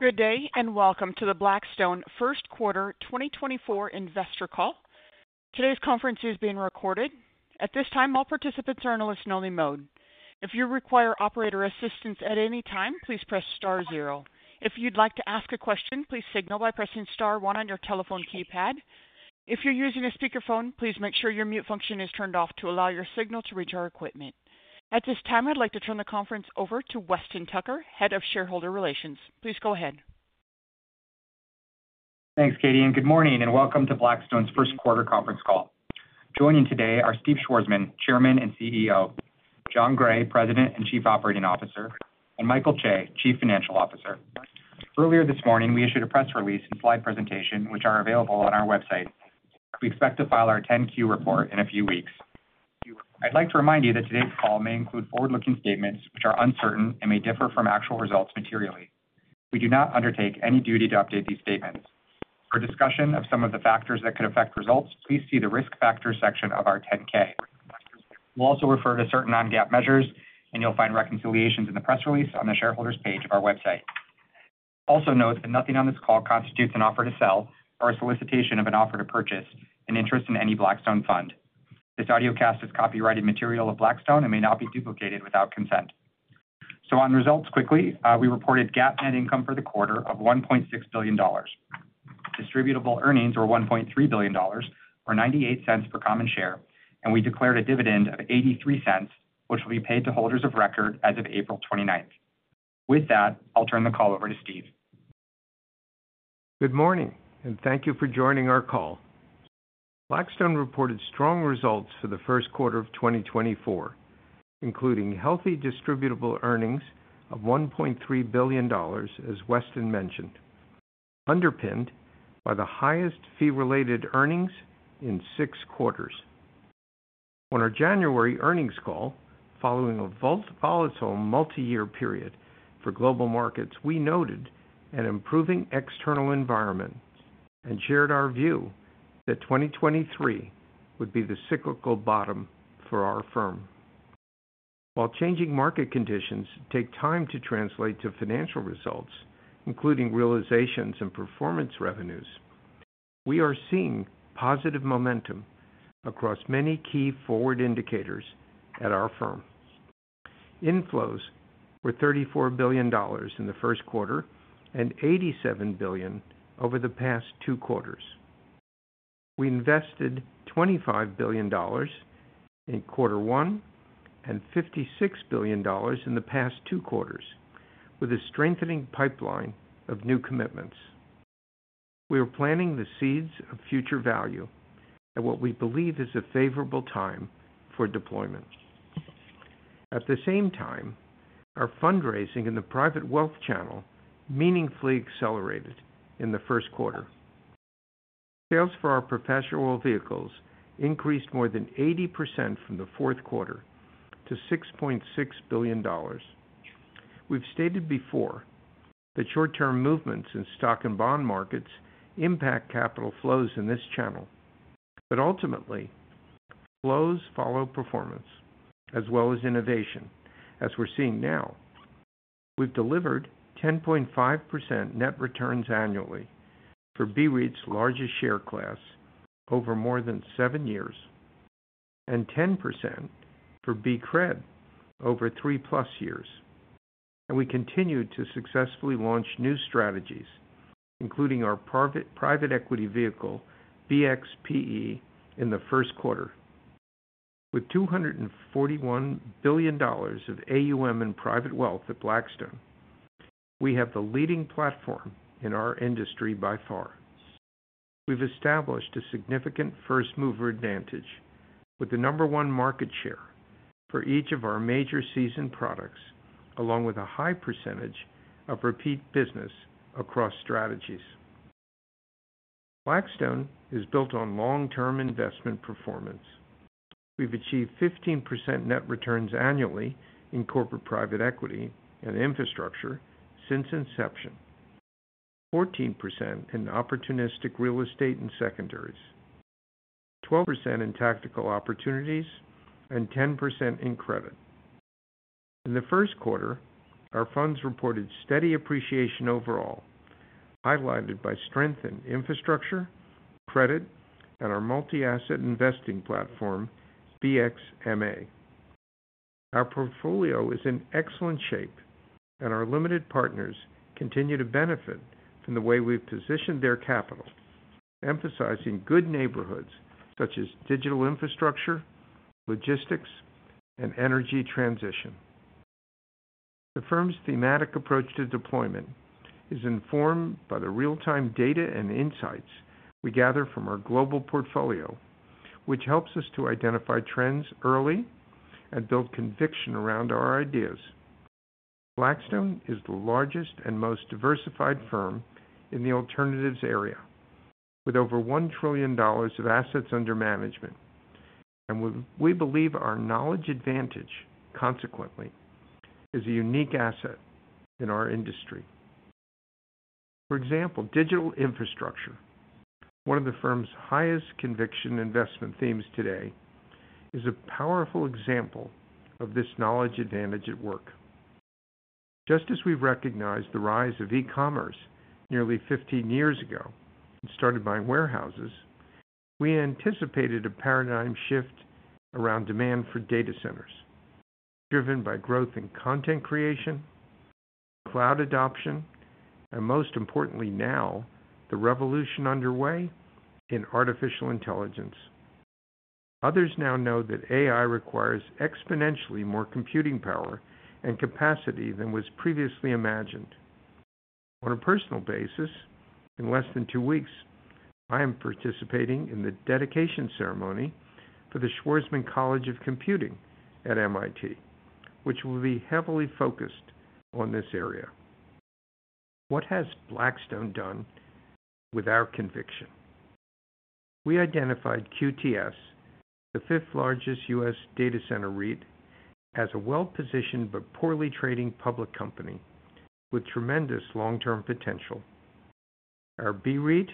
Good day and welcome to the Blackstone first quarter 2024 investor call. Today's conference is being recorded. At this time, all participants are in a listen-only mode. If you require operator assistance at any time, please press star zero. If you'd like to ask a question, please signal by pressing star one on your telephone keypad. If you're using a speakerphone, please make sure your mute function is turned off to allow your signal to reach our equipment. At this time, I'd like to turn the conference over to Weston Tucker, Head of Shareholder Relations. Please go ahead. Thanks, Katie, and good morning and welcome to Blackstone's first quarter conference call. Joining today are Steve Schwarzman, Chairman and CEO; Jon Gray, President and Chief Operating Officer; and Michael Chae, Chief Financial Officer. Earlier this morning, we issued a press release and slide presentation, which are available on our website. We expect to file our 10-Q report in a few weeks. I'd like to remind you that today's call may include forward-looking statements, which are uncertain and may differ from actual results materially. We do not undertake any duty to update these statements. For discussion of some of the factors that could affect results, please see the risk factors section of our 10-K. We'll also refer to certain non-GAAP measures, and you'll find reconciliations in the press release on the shareholders' page of our website. Also note that nothing on this call constitutes an offer to sell or a solicitation of an offer to purchase an interest in any Blackstone fund. This audiocast is copyrighted material of Blackstone and may not be duplicated without consent. So on results quickly, we reported GAAP net income for the quarter of $1.6 billion. Distributable earnings were $1.3 billion, or $0.98 per common share, and we declared a dividend of $0.83, which will be paid to holders of record as of April 29th. With that, I'll turn the call over to Steve. Good morning, and thank you for joining our call. Blackstone reported strong results for the first quarter of 2024, including healthy distributable earnings of $1.3 billion, as Weston mentioned, underpinned by the highest fee-related earnings in six quarters. On our January earnings call, following a volatile multi-year period for global markets, we noted an improving external environment and shared our view that 2023 would be the cyclical bottom for our firm. While changing market conditions take time to translate to financial results, including realizations and performance revenues, we are seeing positive momentum across many key forward indicators at our firm. Inflows were $34 billion in the first quarter and $87 billion over the past two quarters. We invested $25 billion in quarter one and $56 billion in the past two quarters, with a strengthening pipeline of new commitments. We are planting the seeds of future value at what we believe is a favorable time for deployment. At the same time, our fundraising in the private wealth channel meaningfully accelerated in the first quarter. Sales for our professional vehicles increased more than 80% from the fourth quarter to $6.6 billion. We've stated before that short-term movements in stock and bond markets impact capital flows in this channel, but ultimately, flows follow performance, as well as innovation, as we're seeing now. We've delivered 10.5% net returns annually for BREIT's largest share class over more than seven years and 10% for BCRED over 3+ years, and we continued to successfully launch new strategies, including our private equity vehicle BXPE, in the first quarter. With $241 billion of AUM and private wealth at Blackstone, we have the leading platform in our industry by far. We've established a significant first-mover advantage with the number one market share for each of our major season products, along with a high percentage of repeat business across strategies. Blackstone is built on long-term investment performance. We've achieved 15% net returns annually in corporate private equity and infrastructure since inception, 14% in opportunistic real estate and secondaries, 12% in tactical opportunities, and 10% in credit. In the first quarter, our funds reported steady appreciation overall, highlighted by strength in infrastructure, credit, and our multi-asset investing platform, BXMA. Our portfolio is in excellent shape, and our limited partners continue to benefit from the way we've positioned their capital, emphasizing good neighborhoods such as digital infrastructure, logistics, and energy transition. The firm's thematic approach to deployment is informed by the real-time data and insights we gather from our global portfolio, which helps us to identify trends early and build conviction around our ideas. Blackstone is the largest and most diversified firm in the alternatives area, with over $1 trillion of assets under management, and we believe our knowledge advantage, consequently, is a unique asset in our industry. For example, digital infrastructure, one of the firm's highest conviction investment themes today, is a powerful example of this knowledge advantage at work. Just as we've recognized the rise of e-commerce nearly 15 years ago and started buying warehouses, we anticipated a paradigm shift around demand for data centers, driven by growth in content creation, cloud adoption, and most importantly now, the revolution underway in artificial intelligence. Others now know that AI requires exponentially more computing power and capacity than was previously imagined. On a personal basis, in less than two weeks, I am participating in the dedication ceremony for the Schwarzman College of Computing at MIT, which will be heavily focused on this area. What has Blackstone done with our conviction? We identified QTS, the fifth-largest US data center REIT, as a well-positioned but poorly trading public company with tremendous long-term potential. Our BREIT,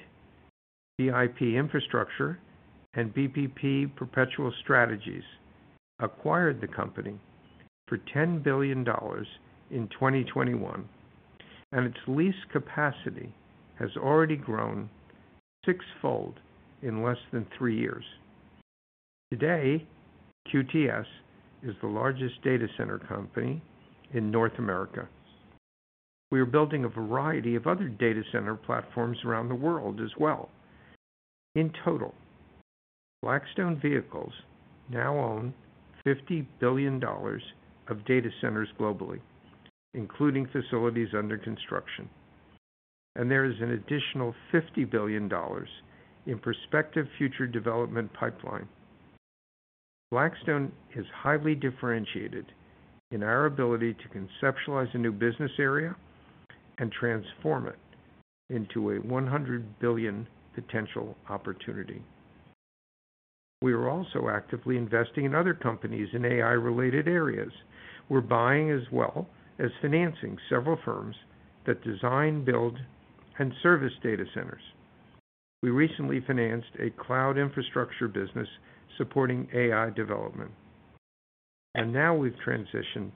BIP infrastructure, and BPP perpetual strategies acquired the company for $10 billion in 2021, and its lease capacity has already grown six-fold in less than three years. Today, QTS is the largest data center company in North America. We are building a variety of other data center platforms around the world as well. In total, Blackstone vehicles now own $50 billion of data centers globally, including facilities under construction, and there is an additional $50 billion in prospective future development pipeline. Blackstone is highly differentiated in our ability to conceptualize a new business area and transform it into a $100 billion potential opportunity. We are also actively investing in other companies in AI-related areas. We're buying as well as financing several firms that design, build, and service data centers. We recently financed a cloud infrastructure business supporting AI development, and now we've transitioned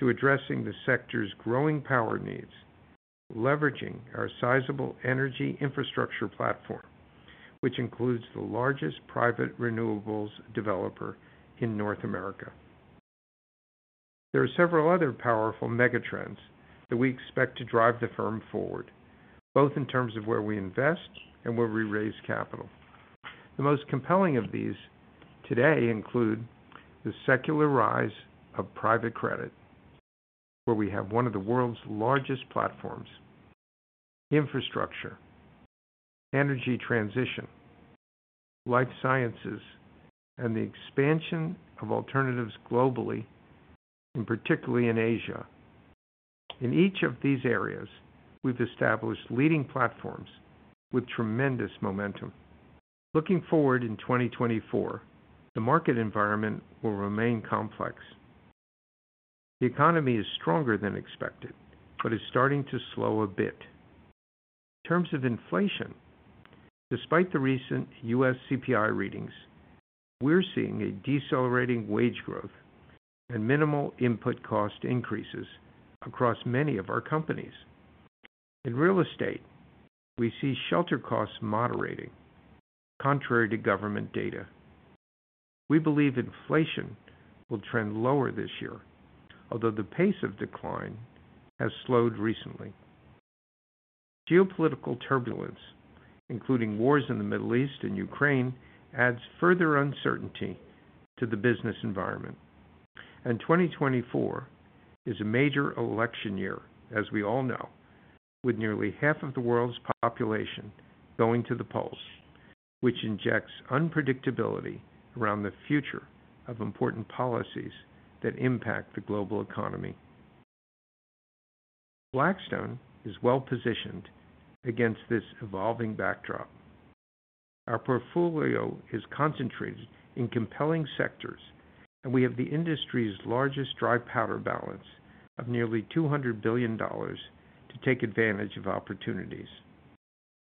to addressing the sector's growing power needs, leveraging our sizable energy infrastructure platform, which includes the largest private renewables developer in North America. There are several other powerful megatrends that we expect to drive the firm forward, both in terms of where we invest and where we raise capital. The most compelling of these today include the secular rise of private credit, where we have one of the world's largest platforms, infrastructure, energy transition, life sciences, and the expansion of alternatives globally, and particularly in Asia. In each of these areas, we've established leading platforms with tremendous momentum. Looking forward in 2024, the market environment will remain complex. The economy is stronger than expected but is starting to slow a bit. In terms of inflation, despite the recent US CPI readings, we're seeing a decelerating wage growth and minimal input cost increases across many of our companies. In real estate, we see shelter costs moderating, contrary to government data. We believe inflation will trend lower this year, although the pace of decline has slowed recently. Geopolitical turbulence, including wars in the Middle East and Ukraine, adds further uncertainty to the business environment. 2024 is a major election year, as we all know, with nearly half of the world's population going to the polls, which injects unpredictability around the future of important policies that impact the global economy. Blackstone is well-positioned against this evolving backdrop. Our portfolio is concentrated in compelling sectors, and we have the industry's largest dry powder balance of nearly $200 billion to take advantage of opportunities.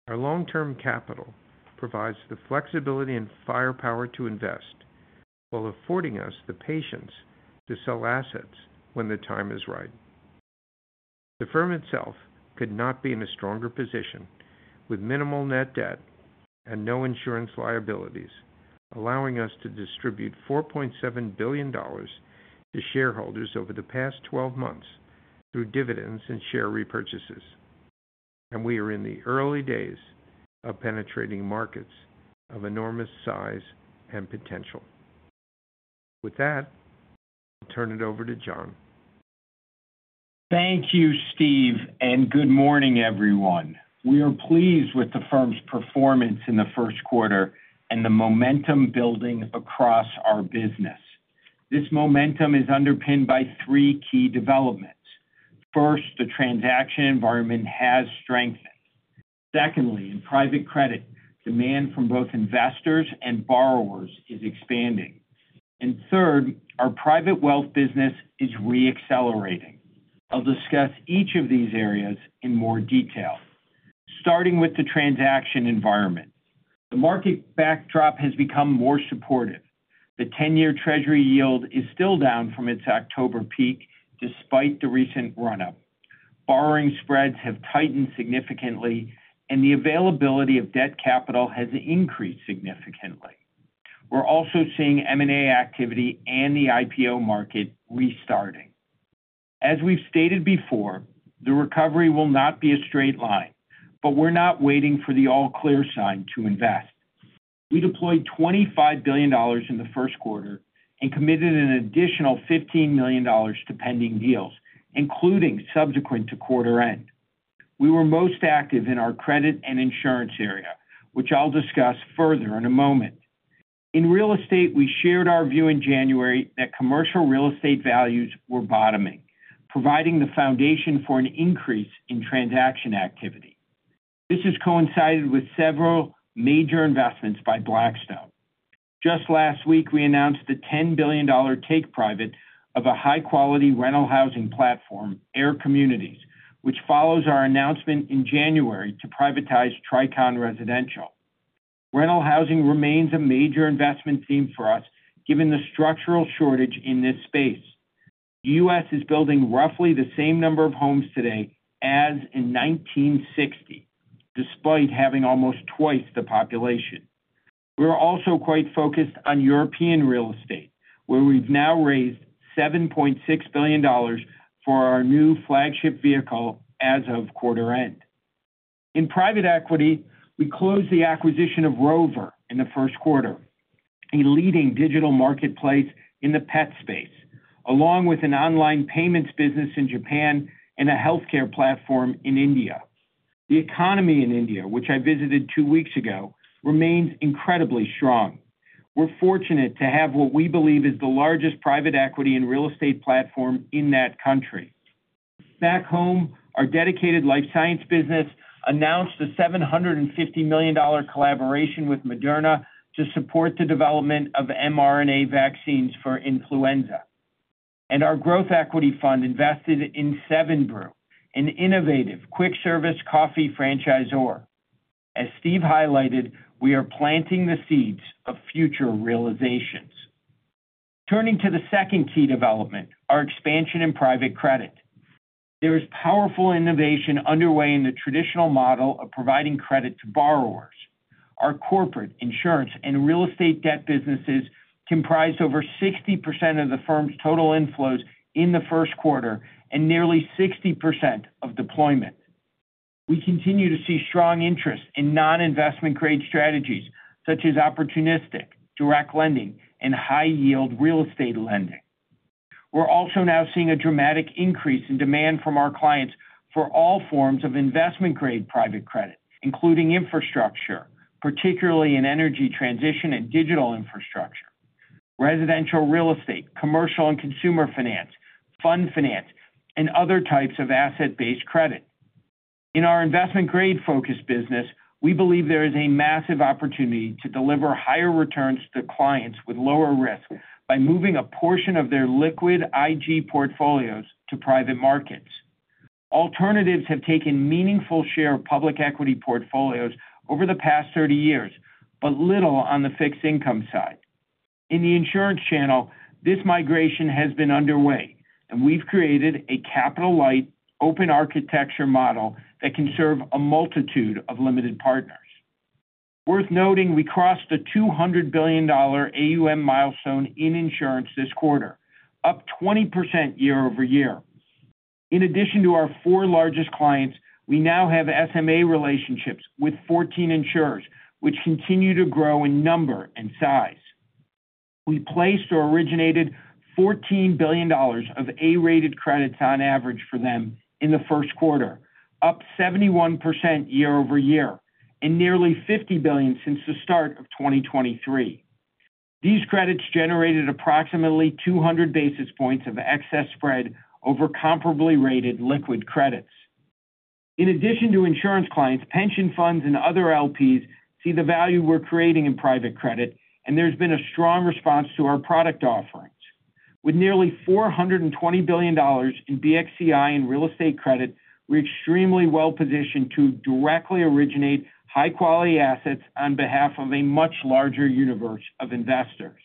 Our long-term capital provides the flexibility and firepower to invest while affording us the patience to sell assets when the time is right. The firm itself could not be in a stronger position with minimal net debt and no insurance liabilities, allowing us to distribute $4.7 billion to shareholders over the past 12 months through dividends and share repurchases. And we are in the early days of penetrating markets of enormous size and potential. With that, I'll turn it over to Jon. Thank you, Steve, and good morning, everyone. We are pleased with the firm's performance in the first quarter and the momentum building across our business. This momentum is underpinned by three key developments. First, the transaction environment has strengthened. Secondly, in private credit, demand from both investors and borrowers is expanding. And third, our private wealth business is reaccelerating. I'll discuss each of these areas in more detail, starting with the transaction environment. The market backdrop has become more supportive. The 10-year Treasury yield is still down from its October peak despite the recent run-up. Borrowing spreads have tightened significantly, and the availability of debt capital has increased significantly. We're also seeing M&A activity and the IPO market restarting. As we've stated before, the recovery will not be a straight line, but we're not waiting for the all-clear sign to invest. We deployed $25 billion in the first quarter and committed an additional $15 million to pending deals, including subsequent to quarter-end. We were most active in our credit and insurance area, which I'll discuss further in a moment. In real estate, we shared our view in January that commercial real estate values were bottoming, providing the foundation for an increase in transaction activity. This has coincided with several major investments by Blackstone. Just last week, we announced the $10 billion take-private of a high-quality rental housing platform, AIR Communities, which follows our announcement in January to privatize Tricon Residential. Rental housing remains a major investment theme for us given the structural shortage in this space. The U.S. is building roughly the same number of homes today as in 1960, despite having almost twice the population. We're also quite focused on European real estate, where we've now raised $7.6 billion for our new flagship vehicle as of quarter-end. In private equity, we closed the acquisition of Rover in the first quarter, a leading digital marketplace in the pet space, along with an online payments business in Japan and a healthcare platform in India. The economy in India, which I visited two weeks ago, remains incredibly strong. We're fortunate to have what we believe is the largest private equity and real estate platform in that country. Back home, our dedicated life science business announced a $750 million collaboration with Moderna to support the development of mRNA vaccines for influenza. Our Growth Equity Fund invested in 7 Brew, an innovative quick-service coffee franchisor. As Steve highlighted, we are planting the seeds of future realizations. Turning to the second key development, our expansion in private credit. There is powerful innovation underway in the traditional model of providing credit to borrowers. Our corporate, insurance, and real estate debt businesses comprise over 60% of the firm's total inflows in the first quarter and nearly 60% of deployment. We continue to see strong interest in non-investment-grade strategies such as opportunistic, direct lending, and high-yield real estate lending. We're also now seeing a dramatic increase in demand from our clients for all forms of investment-grade private credit, including infrastructure, particularly in energy transition and digital infrastructure, residential real estate, commercial and consumer finance, fund finance, and other types of asset-based credit. In our investment-grade focused business, we believe there is a massive opportunity to deliver higher returns to clients with lower risk by moving a portion of their liquid IG portfolios to private markets. Alternatives have taken meaningful share of public equity portfolios over the past 30 years but little on the fixed income side. In the insurance channel, this migration has been underway, and we've created a capital-light, open architecture model that can serve a multitude of limited partners. Worth noting, we crossed the $200 billion AUM milestone in insurance this quarter, up 20% year-over-year. In addition to our four largest clients, we now have SMA relationships with 14 insurers, which continue to grow in number and size. We placed or originated $14 billion of A-rated credits on average for them in the first quarter, up 71% year-over-year and nearly $50 billion since the start of 2023. These credits generated approximately 200 basis points of excess spread over comparably rated liquid credits. In addition to insurance clients, pension funds, and other LPs, see the value we're creating in private credit, and there's been a strong response to our product offerings. With nearly $420 billion in BXCI in real estate credit, we're extremely well-positioned to directly originate high-quality assets on behalf of a much larger universe of investors.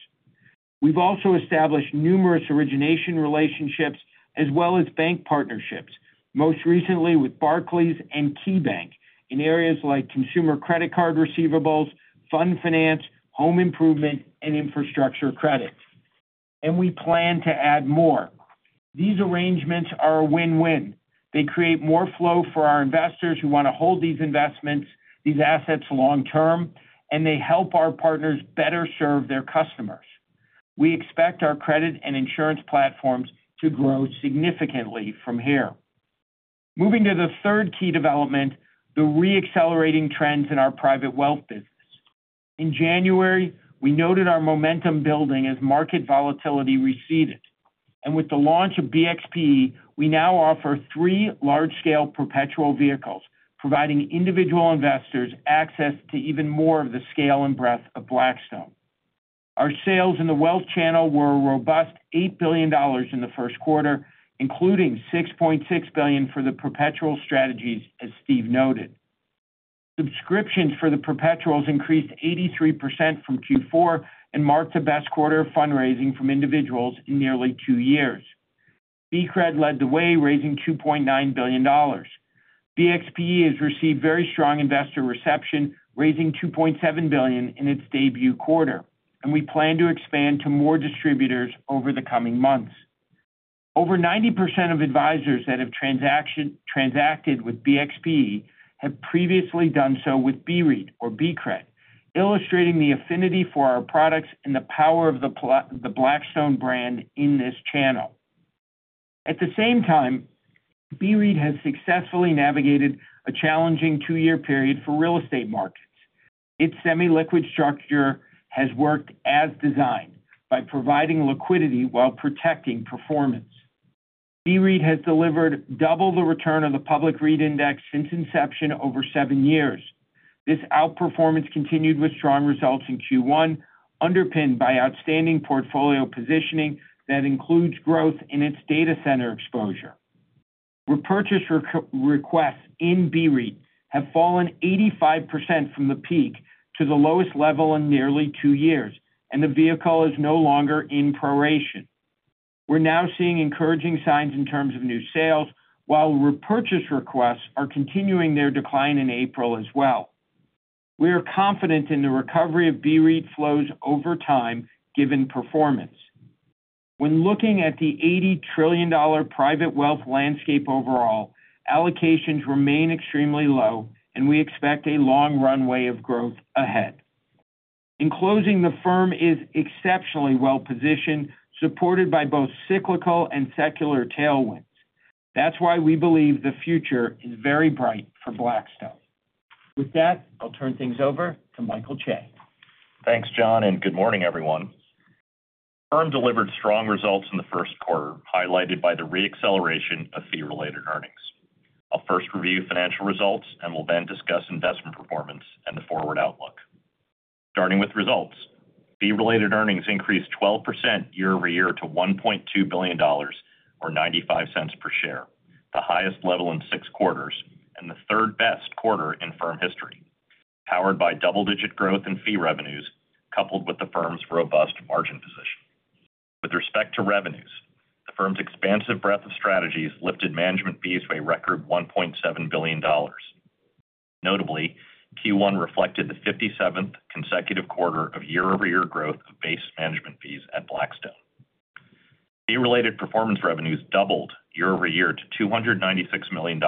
We've also established numerous origination relationships as well as bank partnerships, most recently with Barclays and KeyBank in areas like consumer credit card receivables, fund finance, home improvement, and infrastructure credit. And we plan to add more. These arrangements are a win-win. They create more flow for our investors who want to hold these investments, these assets long-term, and they help our partners better serve their customers. We expect our credit and insurance platforms to grow significantly from here. Moving to the third key development, the reaccelerating trends in our private wealth business. In January, we noted our momentum building as market volatility receded. And with the launch of BXPE, we now offer three large-scale perpetual vehicles, providing individual investors access to even more of the scale and breadth of Blackstone. Our sales in the wealth channel were a robust $8 billion in the first quarter, including $6.6 billion for the perpetual strategies, as Steve noted. Subscriptions for the perpetuals increased 83% from Q4 and marked the best quarter of fundraising from individuals in nearly two years. BCRED led the way, raising $2.9 billion. BXPE has received very strong investor reception, raising $2.7 billion in its debut quarter, and we plan to expand to more distributors over the coming months. Over 90% of advisors that have transacted with BXPE have previously done so with BREIT, or BCRED, illustrating the affinity for our products and the power of the Blackstone brand in this channel. At the same time, BREIT has successfully navigated a challenging two-year period for real estate markets. Its semi-liquid structure has worked as designed by providing liquidity while protecting performance. BREIT has delivered double the return of the public REIT Index since inception over seven years. This outperformance continued with strong results in Q1, underpinned by outstanding portfolio positioning that includes growth in its data center exposure. Repurchase requests in BREIT have fallen 85% from the peak to the lowest level in nearly two years, and the vehicle is no longer in proration. We're now seeing encouraging signs in terms of new sales, while repurchase requests are continuing their decline in April as well. We are confident in the recovery of BREIT flows over time given performance. When looking at the $80 trillion private wealth landscape overall, allocations remain extremely low, and we expect a long runway of growth ahead. In closing, the firm is exceptionally well-positioned, supported by both cyclical and secular tailwinds. That's why we believe the future is very bright for Blackstone. With that, I'll turn things over to Michael Chae. Thanks, Jon, and good morning, everyone. The firm delivered strong results in the first quarter, highlighted by the reacceleration of fee-related earnings. I'll first review financial results, and we'll then discuss investment performance and the forward outlook. Starting with results, fee-related earnings increased 12% year-over-year to $1.2 billion, or $0.95 per share, the highest level in six quarters and the third-best quarter in firm history, powered by double-digit growth in fee revenues coupled with the firm's robust margin position. With respect to revenues, the firm's expansive breadth of strategies lifted management fees to a record $1.7 billion. Notably, Q1 reflected the 57th consecutive quarter of year-over-year growth of base management fees at Blackstone. Fee-related performance revenues doubled year-over-year to $296 million,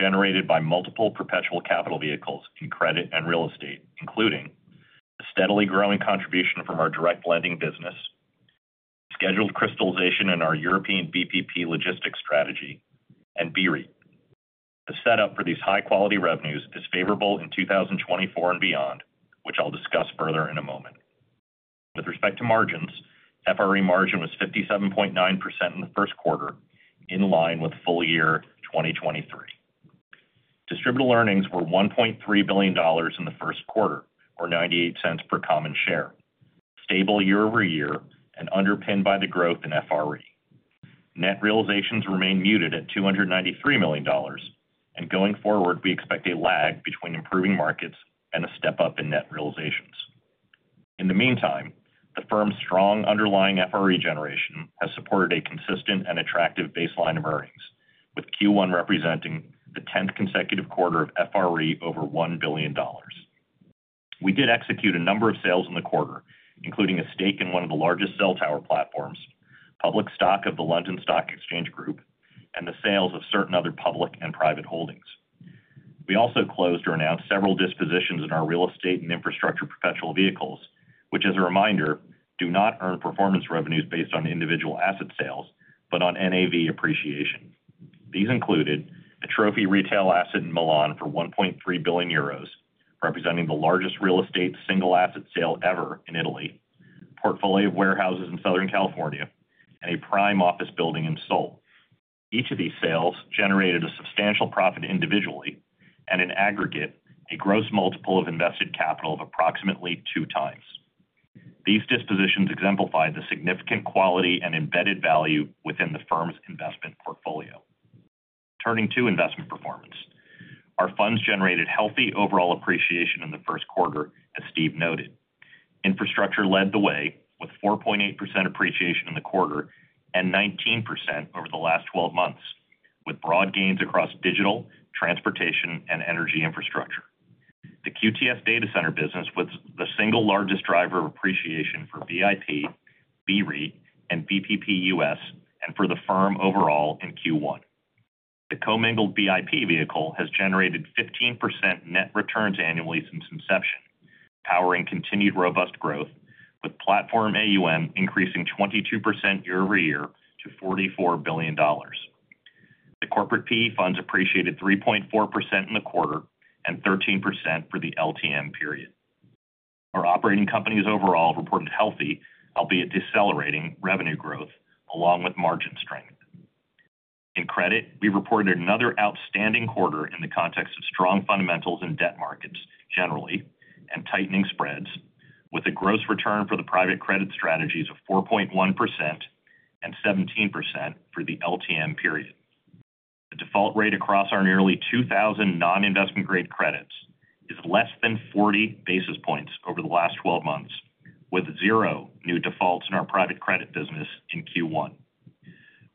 generated by multiple perpetual capital vehicles in credit and real estate, including a steadily growing contribution from our direct lending business, scheduled crystallization in our European BPP logistics strategy, and BREIT. The setup for these high-quality revenues is favorable in 2024 and beyond, which I'll discuss further in a moment. With respect to margins, FRE margin was 57.9% in the first quarter, in line with full year 2023. Distributable earnings were $1.3 billion in the first quarter, or $0.98 per common share, stable year-over-year and underpinned by the growth in FRE. Net realizations remain muted at $293 million, and going forward, we expect a lag between improving markets and a step up in net realizations. In the meantime, the firm's strong underlying FRE generation has supported a consistent and attractive baseline of earnings, with Q1 representing the 10th consecutive quarter of FRE over $1 billion. We did execute a number of sales in the quarter, including a stake in one of the largest cell tower platforms, public stock of the London Stock Exchange Group, and the sales of certain other public and private holdings. We also closed or announced several dispositions in our real estate and infrastructure perpetual vehicles, which, as a reminder, do not earn performance revenues based on individual asset sales but on NAV appreciation. These included a trophy retail asset in Milan for 1.3 billion euros, representing the largest real estate single asset sale ever in Italy, a portfolio of warehouses in Southern California, and a prime office building in Seoul. Each of these sales generated a substantial profit individually and, in aggregate, a gross multiple of invested capital of approximately 2x. These dispositions exemplified the significant quality and embedded value within the firm's investment portfolio. Turning to investment performance, our funds generated healthy overall appreciation in the first quarter, as Steve noted. Infrastructure led the way, with 4.8% appreciation in the quarter and 19% over the last 12 months, with broad gains across digital, transportation, and energy infrastructure. The QTS data center business was the single largest driver of appreciation for BIP, BREIT, and BPP US, and for the firm overall in Q1. The commingled BIP vehicle has generated 15% net returns annually since inception, powering continued robust growth, with platform AUM increasing 22% year-over-year to $44 billion. The corporate PE funds appreciated 3.4% in the quarter and 13% for the LTM period. Our operating companies overall reported healthy, albeit decelerating, revenue growth along with margin strength. In credit, we reported another outstanding quarter in the context of strong fundamentals in debt markets generally and tightening spreads, with a gross return for the private credit strategies of 4.1% and 17% for the LTM period. The default rate across our nearly 2,000 non-investment-grade credits is less than 40 basis points over the last 12 months, with zero new defaults in our private credit business in Q1.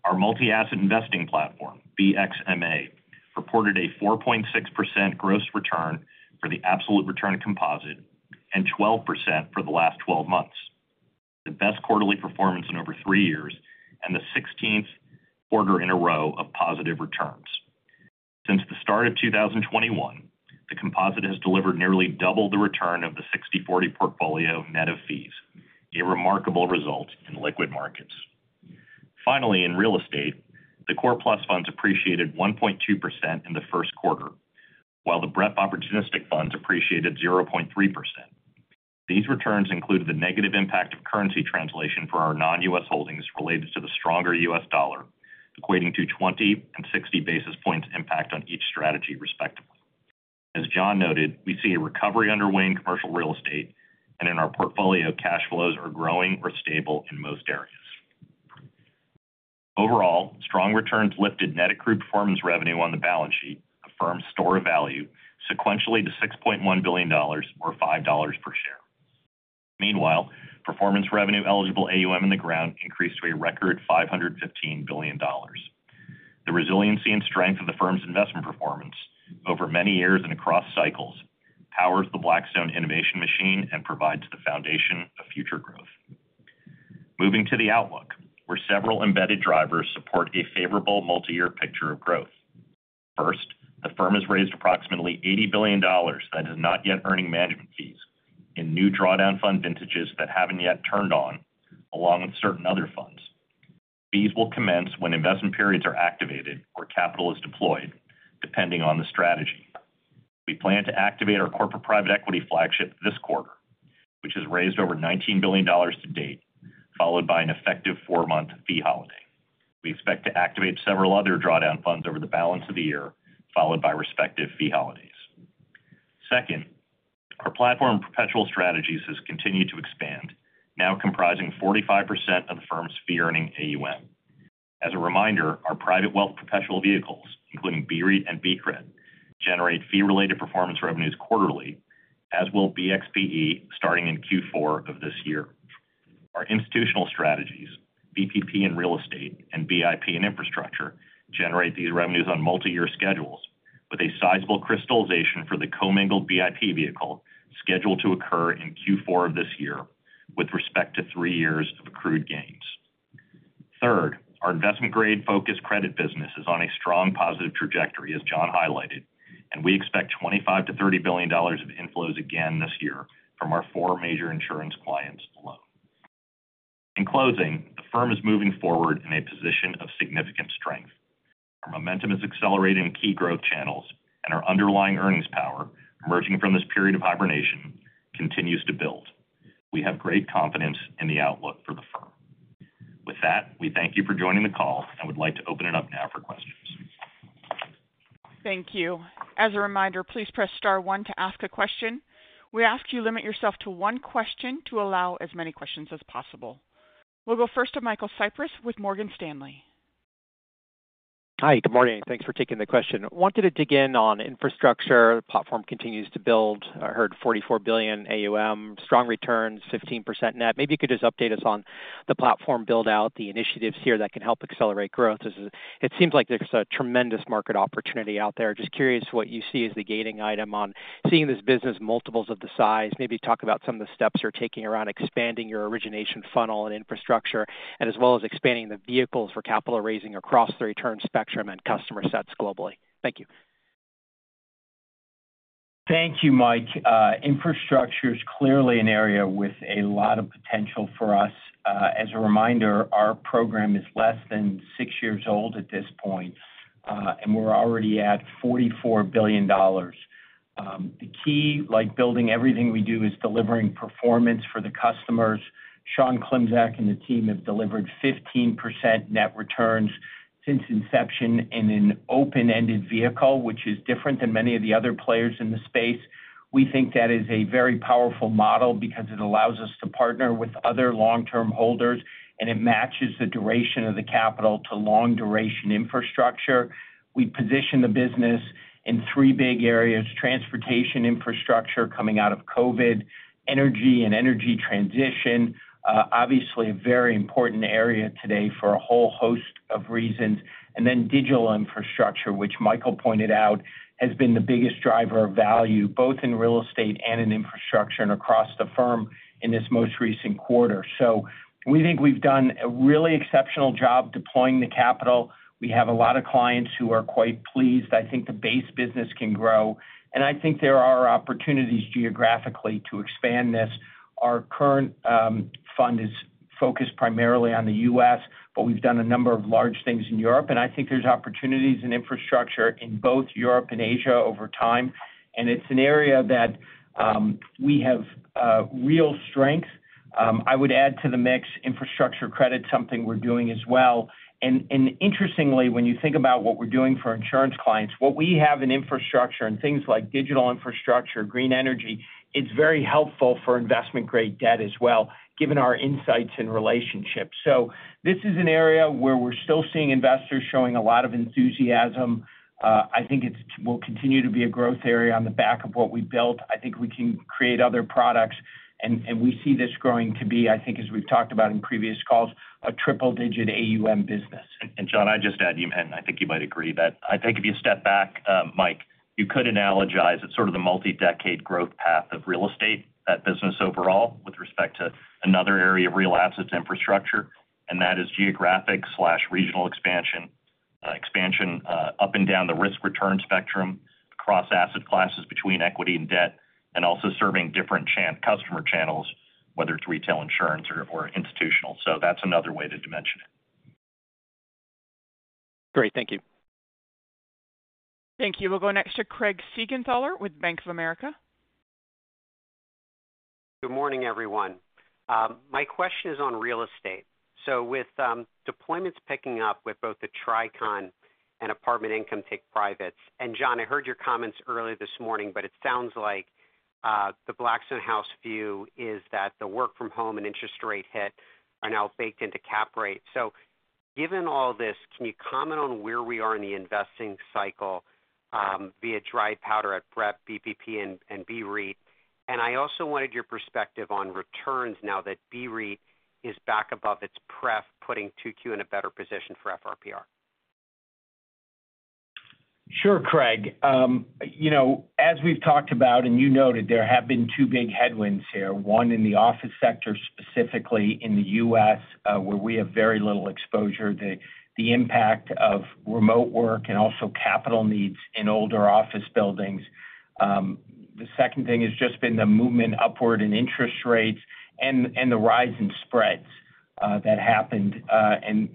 Our multi-asset investing platform, BXMA, reported a 4.6% gross return for the absolute return composite and 12% for the last 12 months, the best quarterly performance in over three years, and the 16th quarter in a row of positive returns. Since the start of 2021, the composite has delivered nearly double the return of the 60/40 portfolio net of fees, a remarkable result in liquid markets. Finally, in real estate, the Core+ funds appreciated 1.2% in the first quarter, while the BREP opportunistic funds appreciated 0.3%. These returns include the negative impact of currency translation for our non-US holdings related to the stronger U.S. dollar, equating to 20 and 60 basis points impact on each strategy, respectively. As Jon noted, we see a recovery underway in commercial real estate, and in our portfolio, cash flows are growing or stable in most areas. Overall, strong returns lifted net accrued performance revenue on the balance sheet, a firm's store of value, sequentially to $6.1 billion, or $5 per share. Meanwhile, performance revenue eligible AUM in the ground increased to a record $515 billion. The resiliency and strength of the firm's investment performance over many years and across cycles powers the Blackstone innovation machine and provides the foundation of future growth. Moving to the outlook, where several embedded drivers support a favorable multi-year picture of growth. First, the firm has raised approximately $80 billion that is not yet earning management fees in new drawdown fund vintages that haven't yet turned on, along with certain other funds. Fees will commence when investment periods are activated or capital is deployed, depending on the strategy. We plan to activate our corporate private equity flagship this quarter, which has raised over $19 billion to date, followed by an effective four-month fee holiday. We expect to activate several other drawdown funds over the balance of the year, followed by respective fee holidays. Second, our platform perpetual strategies has continued to expand, now comprising 45% of the firm's fee-earning AUM. As a reminder, our private wealth perpetual vehicles, including BREIT and BCRED, generate fee-related performance revenues quarterly, as will BXPE starting in Q4 of this year. Our institutional strategies, BPP in real estate and BIP in infrastructure, generate these revenues on multi-year schedules, with a sizable crystallization for the commingled BIP vehicle scheduled to occur in Q4 of this year with respect to three years of accrued gains. Third, our investment-grade focused credit business is on a strong positive trajectory, as Jon highlighted, and we expect $25-$30 billion of inflows again this year from our four major insurance clients alone. In closing, the firm is moving forward in a position of significant strength. Our momentum is accelerating in key growth channels, and our underlying earnings power, emerging from this period of hibernation, continues to build. We have great confidence in the outlook for the firm. With that, we thank you for joining the call and would like to open it up now for questions. Thank you. As a reminder, please press star one to ask a question. We ask you limit yourself to one question to allow as many questions as possible. We'll go first to Michael Cyprys with Morgan Stanley. Hi, good morning. Thanks for taking the question. Wanted to dig in on infrastructure. The platform continues to build. I heard $44 billion AUM, strong returns, 15% net. Maybe you could just update us on the platform buildout, the initiatives here that can help accelerate growth. It seems like there's a tremendous market opportunity out there. Just curious what you see as the gating item on seeing this business multiples of the size. Maybe talk about some of the steps you're taking around expanding your origination funnel and infrastructure, and as well as expanding the vehicles for capital raising across the return spectrum and customer sets globally. Thank you. Thank you, Mike. Infrastructure is clearly an area with a lot of potential for us. As a reminder, our program is less than six years old at this point, and we're already at $44 billion. The key, like building everything we do, is delivering performance for the customers. Sean Klimczak and the team have delivered 15% net returns since inception in an open-ended vehicle, which is different than many of the other players in the space. We think that is a very powerful model because it allows us to partner with other long-term holders, and it matches the duration of the capital to long-duration infrastructure. We position the business in three big areas: transportation infrastructure coming out of COVID, energy and energy transition, obviously a very important area today for a whole host of reasons, and then digital infrastructure, which Michael pointed out has been the biggest driver of value both in real estate and in infrastructure and across the firm in this most recent quarter. We think we've done a really exceptional job deploying the capital. We have a lot of clients who are quite pleased. I think the base business can grow, and I think there are opportunities geographically to expand this. Our current fund is focused primarily on the U.S., but we've done a number of large things in Europe, and I think there's opportunities in infrastructure in both Europe and Asia over time. It's an area that we have real strength. I would add to the mix, infrastructure credit, something we're doing as well. And interestingly, when you think about what we're doing for insurance clients, what we have in infrastructure and things like digital infrastructure, green energy, it's very helpful for investment-grade debt as well, given our insights and relationships. So this is an area where we're still seeing investors showing a lot of enthusiasm. I think it will continue to be a growth area on the back of what we built. I think we can create other products, and we see this growing to be, I think, as we've talked about in previous calls, a triple-digit AUM business. Jon, I'd just add, and I think you might agree, that I think if you step back, Mike, you could analogize it sort of the multi-decade growth path of real estate, that business overall, with respect to another area of real assets infrastructure, and that is geographic, regional expansion, expansion up and down the risk-return spectrum across asset classes between equity and debt, and also serving different customer channels, whether it's retail insurance or institutional. So that's another way to dimension it. Great. Thank you. Thank you. We'll go next to Craig Siegenthaler with Bank of America. Good morning, everyone. My question is on real estate. So with deployments picking up with both the Tricon and Apartment Income take privates, and Jon, I heard your comments earlier this morning, but it sounds like the Blackstone house view is that the work-from-home and interest rate hit are now baked into cap rates. So given all this, can you comment on where we are in the investing cycle via dry powder at BREP, BPP, and BREIT? And I also wanted your perspective on returns now that BREIT is back above its pref, putting 2Q in a better position for FRPR? Sure, Craig. As we've talked about, and you noted, there have been two big headwinds here, one in the office sector specifically in the U.S. where we have very little exposure, the impact of remote work and also capital needs in older office buildings. The second thing has just been the movement upward in interest rates and the rise in spreads that happened.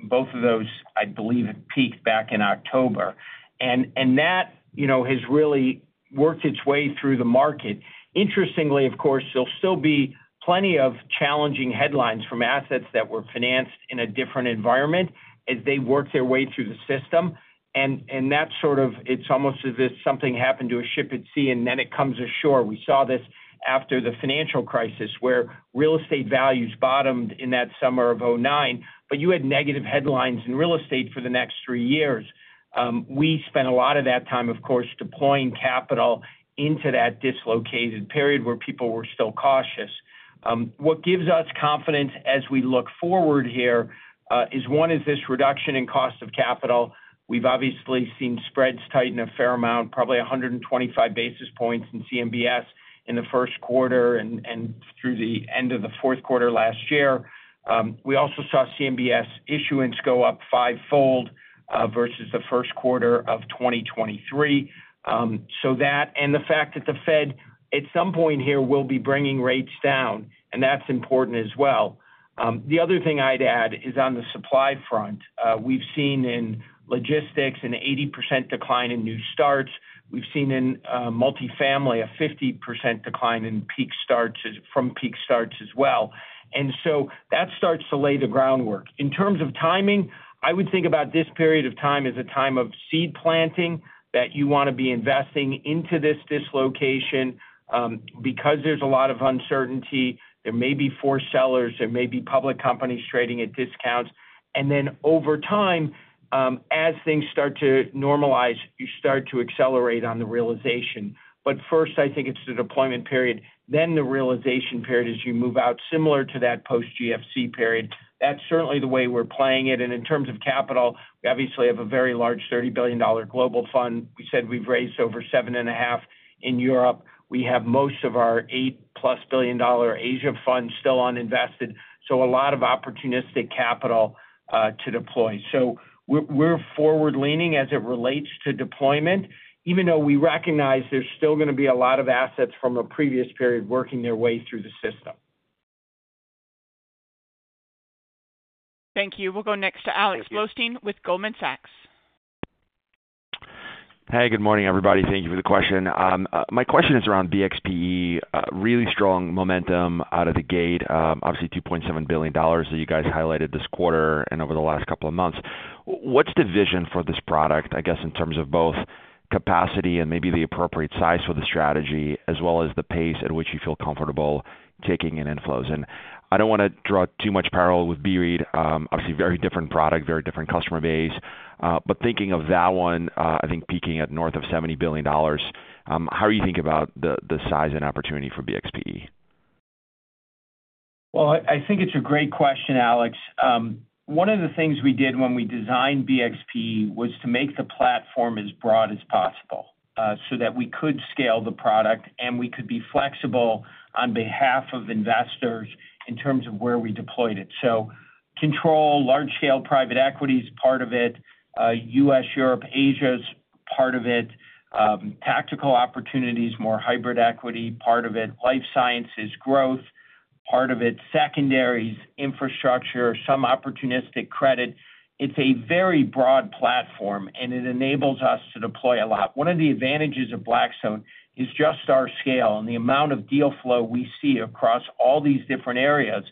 Both of those, I believe, peaked back in October. That has really worked its way through the market. Interestingly, of course, there'll still be plenty of challenging headlines from assets that were financed in a different environment as they worked their way through the system. That sort of it's almost as if something happened to a ship at sea and then it comes ashore. We saw this after the financial crisis where real estate values bottomed in that summer of 2009, but you had negative headlines in real estate for the next 3 years. We spent a lot of that time, of course, deploying capital into that dislocated period where people were still cautious. What gives us confidence as we look forward here is, one, is this reduction in cost of capital. We've obviously seen spreads tighten a fair amount, probably 125 basis points in CMBS in the first quarter and through the end of the fourth quarter last year. We also saw CMBS issuance go up fivefold versus the first quarter of 2023. So that and the fact that the Fed at some point here will be bringing rates down, and that's important as well. The other thing I'd add is on the supply front. We've seen in logistics an 80% decline in new starts. We've seen in multifamily a 50% decline in peak starts from peak starts as well. And so that starts to lay the groundwork. In terms of timing, I would think about this period of time as a time of seed planting that you want to be investing into this dislocation because there's a lot of uncertainty. There may be forced sellers. There may be public companies trading at discounts. And then over time, as things start to normalize, you start to accelerate on the realization. But first, I think it's the deployment period. Then the realization period as you move out, similar to that post-GFC period. That's certainly the way we're playing it. And in terms of capital, we obviously have a very large $30 billion global fund. We said we've raised over $7.5 billion in Europe. We have most of our $8+ billion Asia fund still uninvested. So a lot of opportunistic capital to deploy. So we're forward-leaning as it relates to deployment, even though we recognize there's still going to be a lot of assets from a previous period working their way through the system. Thank you. We'll go next to Alex Blostein with Goldman Sachs. Hey, good morning, everybody. Thank you for the question. My question is around BXPE, really strong momentum out of the gate, obviously $2.7 billion that you guys highlighted this quarter and over the last couple of months. What's the vision for this product, I guess, in terms of both capacity and maybe the appropriate size for the strategy, as well as the pace at which you feel comfortable taking in inflows? And I don't want to draw too much parallel with BREIT. Obviously, very different product, very different customer base. But thinking of that one, I think peaking at north of $70 billion, how do you think about the size and opportunity for BXPE? Well, I think it's a great question, Alex. One of the things we did when we designed BXPE was to make the platform as broad as possible so that we could scale the product and we could be flexible on behalf of investors in terms of where we deployed it. So control, large-scale private equity is part of it, U.S., Europe, Asia is part of it, tactical opportunities, more hybrid equity part of it, life sciences, growth part of it, secondaries, infrastructure, some opportunistic credit. It's a very broad platform, and it enables us to deploy a lot. One of the advantages of Blackstone is just our scale and the amount of deal flow we see across all these different areas,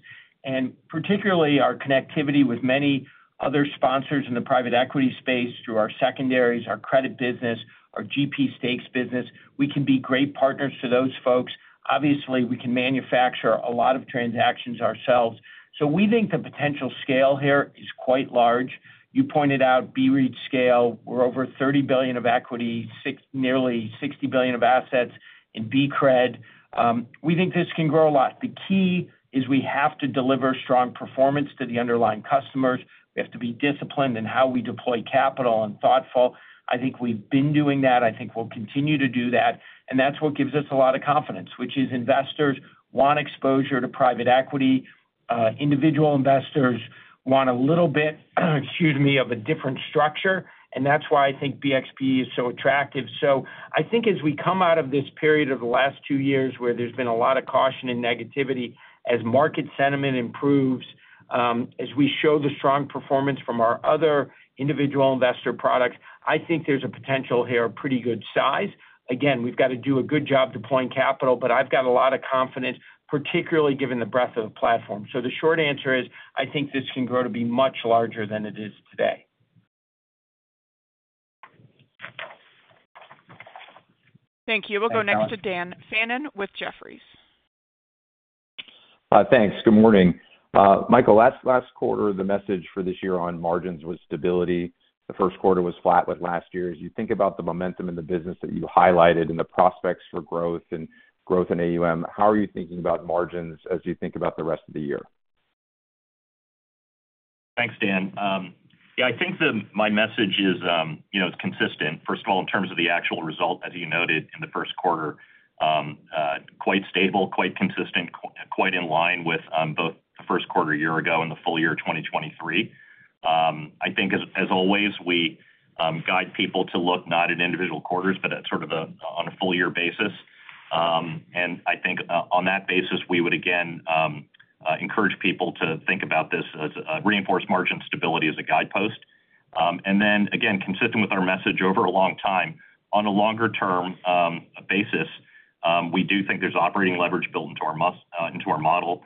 and particularly our connectivity with many other sponsors in the private equity space through our secondaries, our credit business, our GP stakes business. We can be great partners to those folks. Obviously, we can manufacture a lot of transactions ourselves. So we think the potential scale here is quite large. You pointed out BREIT scale. We're over $30 billion of equity, nearly $60 billion of assets in BCRED. We think this can grow a lot. The key is we have to deliver strong performance to the underlying customers. We have to be disciplined in how we deploy capital and thoughtful. I think we've been doing that. I think we'll continue to do that. And that's what gives us a lot of confidence, which is investors want exposure to private equity. Individual investors want a little bit, excuse me, of a different structure. And that's why I think BXPE is so attractive. So I think as we come out of this period of the last two years where there's been a lot of caution and negativity, as market sentiment improves, as we show the strong performance from our other individual investor products, I think there's a potential here, a pretty good size. Again, we've got to do a good job deploying capital, but I've got a lot of confidence, particularly given the breadth of the platform. So the short answer is I think this can grow to be much larger than it is today. Thank you. We'll go next to Dan Fannon with Jefferies. Thanks. Good morning. Michael, last quarter, the message for this year on margins was stability. The first quarter was flat like last year. As you think about the momentum in the business that you highlighted and the prospects for growth and AUM, how are you thinking about margins as you think about the rest of the year? Thanks, Dan. Yeah, I think that my message is consistent, first of all, in terms of the actual result, as you noted, in the first quarter, quite stable, quite consistent, quite in line with both the first quarter a year ago and the full year 2023. I think, as always, we guide people to look not at individual quarters, but sort of on a full-year basis. I think on that basis, we would, again, encourage people to think about this as a reinforced margin stability as a guidepost. Then, again, consistent with our message over a long time, on a longer-term basis, we do think there's operating leverage built into our model.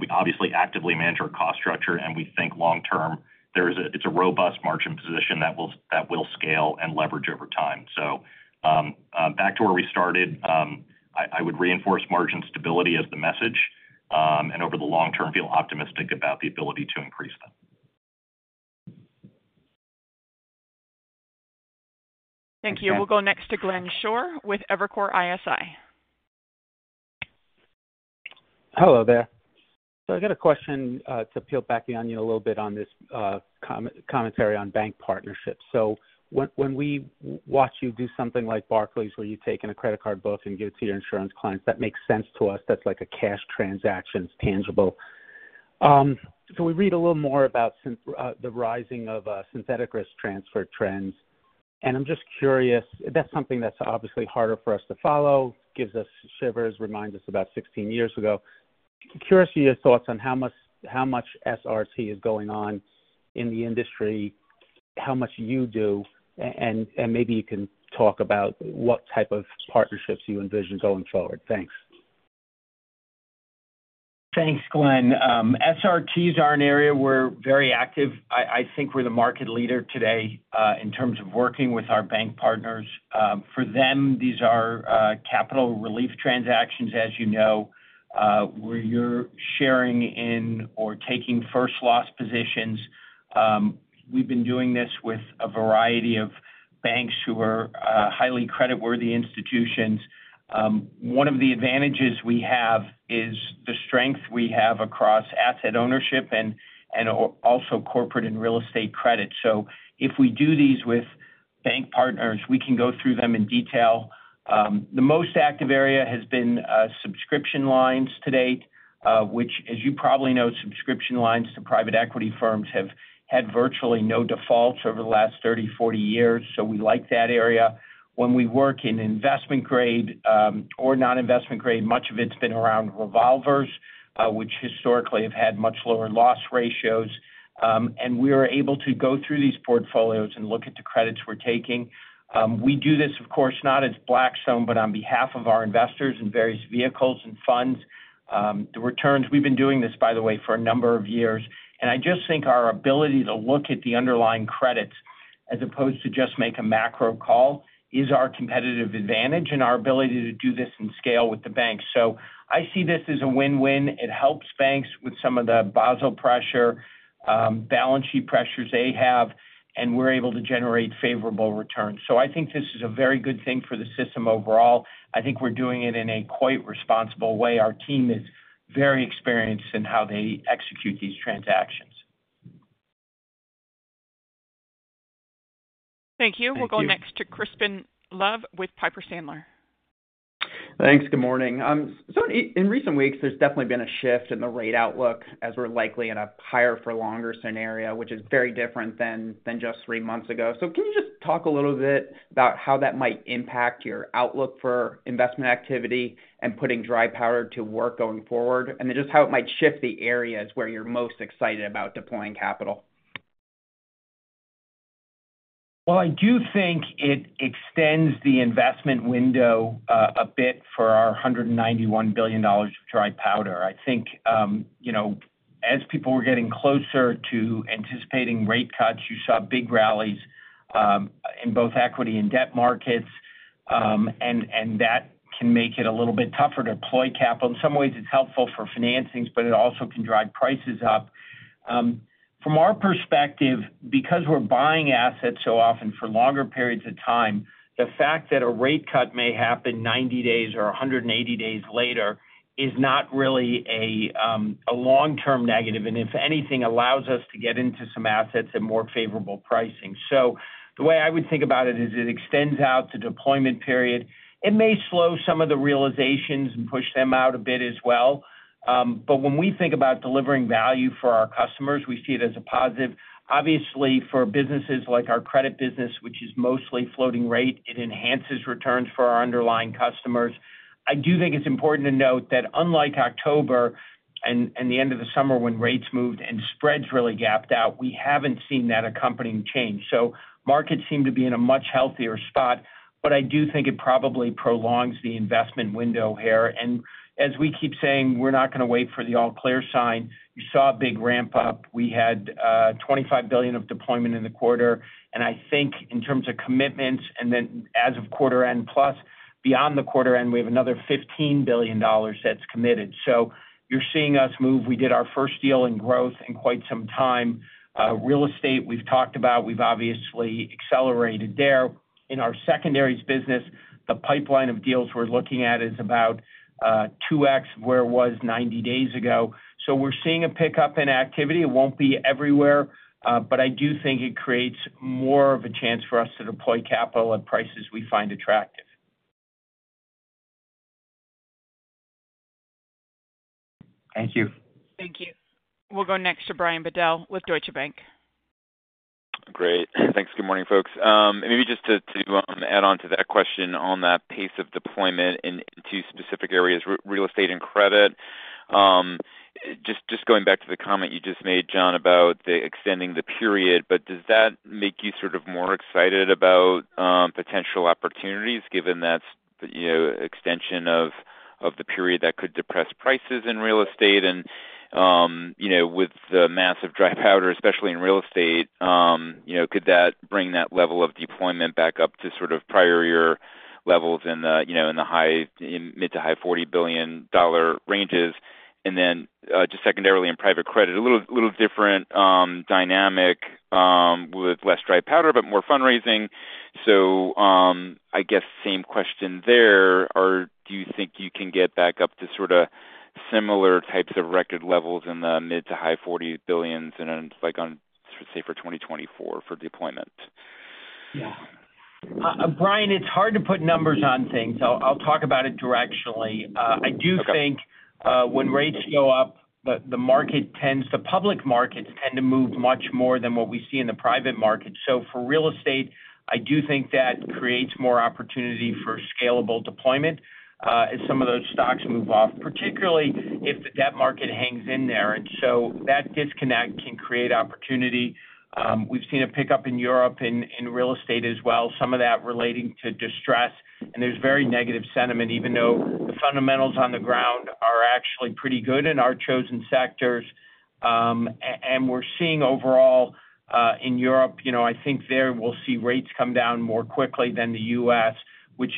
We obviously actively manage our cost structure, and we think long-term, it's a robust margin position that will scale and leverage over time. Back to where we started, I would reinforce margin stability as the message, and over the long term, feel optimistic about the ability to increase them. Thank you. We'll go next to Glenn Schorr with Evercore ISI. Hello there. I got a question to peel back on you a little bit on this commentary on bank partnerships. When we watch you do something like Barclays, where you take in a credit card book and give it to your insurance clients, that makes sense to us. That's like a cash transaction, tangible. We read a little more about the rising of synthetic risk transfer trends. I'm just curious, that's something that's obviously harder for us to follow, gives us shivers, reminds us about 16 years ago. Curious to hear your thoughts on how much SRT is going on in the industry, how much you do, and maybe you can talk about what type of partnerships you envision going forward. Thanks. Thanks, Glenn. SRTs are an area we're very active. I think we're the market leader today in terms of working with our bank partners. For them, these are capital relief transactions, as you know, where you're sharing in or taking first-loss positions. We've been doing this with a variety of banks who are highly credit-worthy institutions. One of the advantages we have is the strength we have across asset ownership and also corporate and real estate credit. So if we do these with bank partners, we can go through them in detail. The most active area has been subscription lines to date, which, as you probably know, subscription lines to private equity firms have had virtually no defaults over the last 30, 40 years. So we like that area. When we work in investment-grade or non-investment-grade, much of it's been around revolvers, which historically have had much lower loss ratios. We are able to go through these portfolios and look at the credits we're taking. We do this, of course, not as Blackstone, but on behalf of our investors in various vehicles and funds. The returns we've been doing this, by the way, for a number of years. I just think our ability to look at the underlying credits as opposed to just make a macro call is our competitive advantage and our ability to do this in scale with the banks. So I see this as a win-win. It helps banks with some of the Basel pressure, balance sheet pressures they have, and we're able to generate favorable returns. So I think this is a very good thing for the system overall. I think we're doing it in a quite responsible way. Our team is very experienced in how they execute these transactions. Thank you. We'll go next to Crispin Love with Piper Sandler. Thanks. Good morning. So in recent weeks, there's definitely been a shift in the rate outlook as we're likely in a higher-for-longer scenario, which is very different than just three months ago. So can you just talk a little bit about how that might impact your outlook for investment activity and putting dry powder to work going forward, and then just how it might shift the areas where you're most excited about deploying capital? Well, I do think it extends the investment window a bit for our $191 billion of dry powder. I think as people were getting closer to anticipating rate cuts, you saw big rallies in both equity and debt markets, and that can make it a little bit tougher to deploy capital. In some ways, it's helpful for financings, but it also can drive prices up. From our perspective, because we're buying assets so often for longer periods of time, the fact that a rate cut may happen 90 days or 180 days later is not really a long-term negative. And if anything, it allows us to get into some assets at more favorable pricing. So the way I would think about it is it extends out the deployment period. It may slow some of the realizations and push them out a bit as well. But when we think about delivering value for our customers, we see it as a positive. Obviously, for businesses like our credit business, which is mostly floating rate, it enhances returns for our underlying customers. I do think it's important to note that unlike October and the end of the summer when rates moved and spreads really gapped out, we haven't seen that accompanying change. So markets seem to be in a much healthier spot, but I do think it probably prolongs the investment window here. And as we keep saying, we're not going to wait for the all-clear sign. You saw a big ramp-up. We had $25 billion of deployment in the quarter. And I think in terms of commitments and then as of quarter-end plus, beyond the quarter-end, we have another $15 billion that's committed. So you're seeing us move. We did our first deal in growth in quite some time. Real estate, we've talked about. We've obviously accelerated there. In our secondaries business, the pipeline of deals we're looking at is about 2x where it was 90 days ago. So we're seeing a pickup in activity. It won't be everywhere, but I do think it creates more of a chance for us to deploy capital at prices we find attractive. Thank you. Thank you. We'll go next to Brian Bedell with Deutsche Bank. Great. Thanks. Good morning, folks. Maybe just to add on to that question on that pace of deployment into specific areas, real estate and credit, just going back to the comment you just made, Jon, about extending the period, but does that make you sort of more excited about potential opportunities given that extension of the period that could depress prices in real estate? And with the massive dry powder, especially in real estate, could that bring that level of deployment back up to sort of prior year levels in the mid- to high-$40 billion ranges? And then just secondarily in private credit, a little different dynamic with less dry powder, but more fundraising. So I guess same question there. Do you think you can get back up to sort of similar types of record levels in the mid- to high-$40 billions on, say, for 2024 for deployment? Yeah. Brian, it's hard to put numbers on things. I'll talk about it directionally. I do think when rates go up, the public markets tend to move much more than what we see in the private market. So for real estate, I do think that creates more opportunity for scalable deployment as some of those stocks move off, particularly if the debt market hangs in there. And so that disconnect can create opportunity. We've seen a pickup in Europe in real estate as well, some of that relating to distress. And there's very negative sentiment, even though the fundamentals on the ground are actually pretty good in our chosen sectors. And we're seeing overall in Europe, I think there we'll see rates come down more quickly than the U.S., which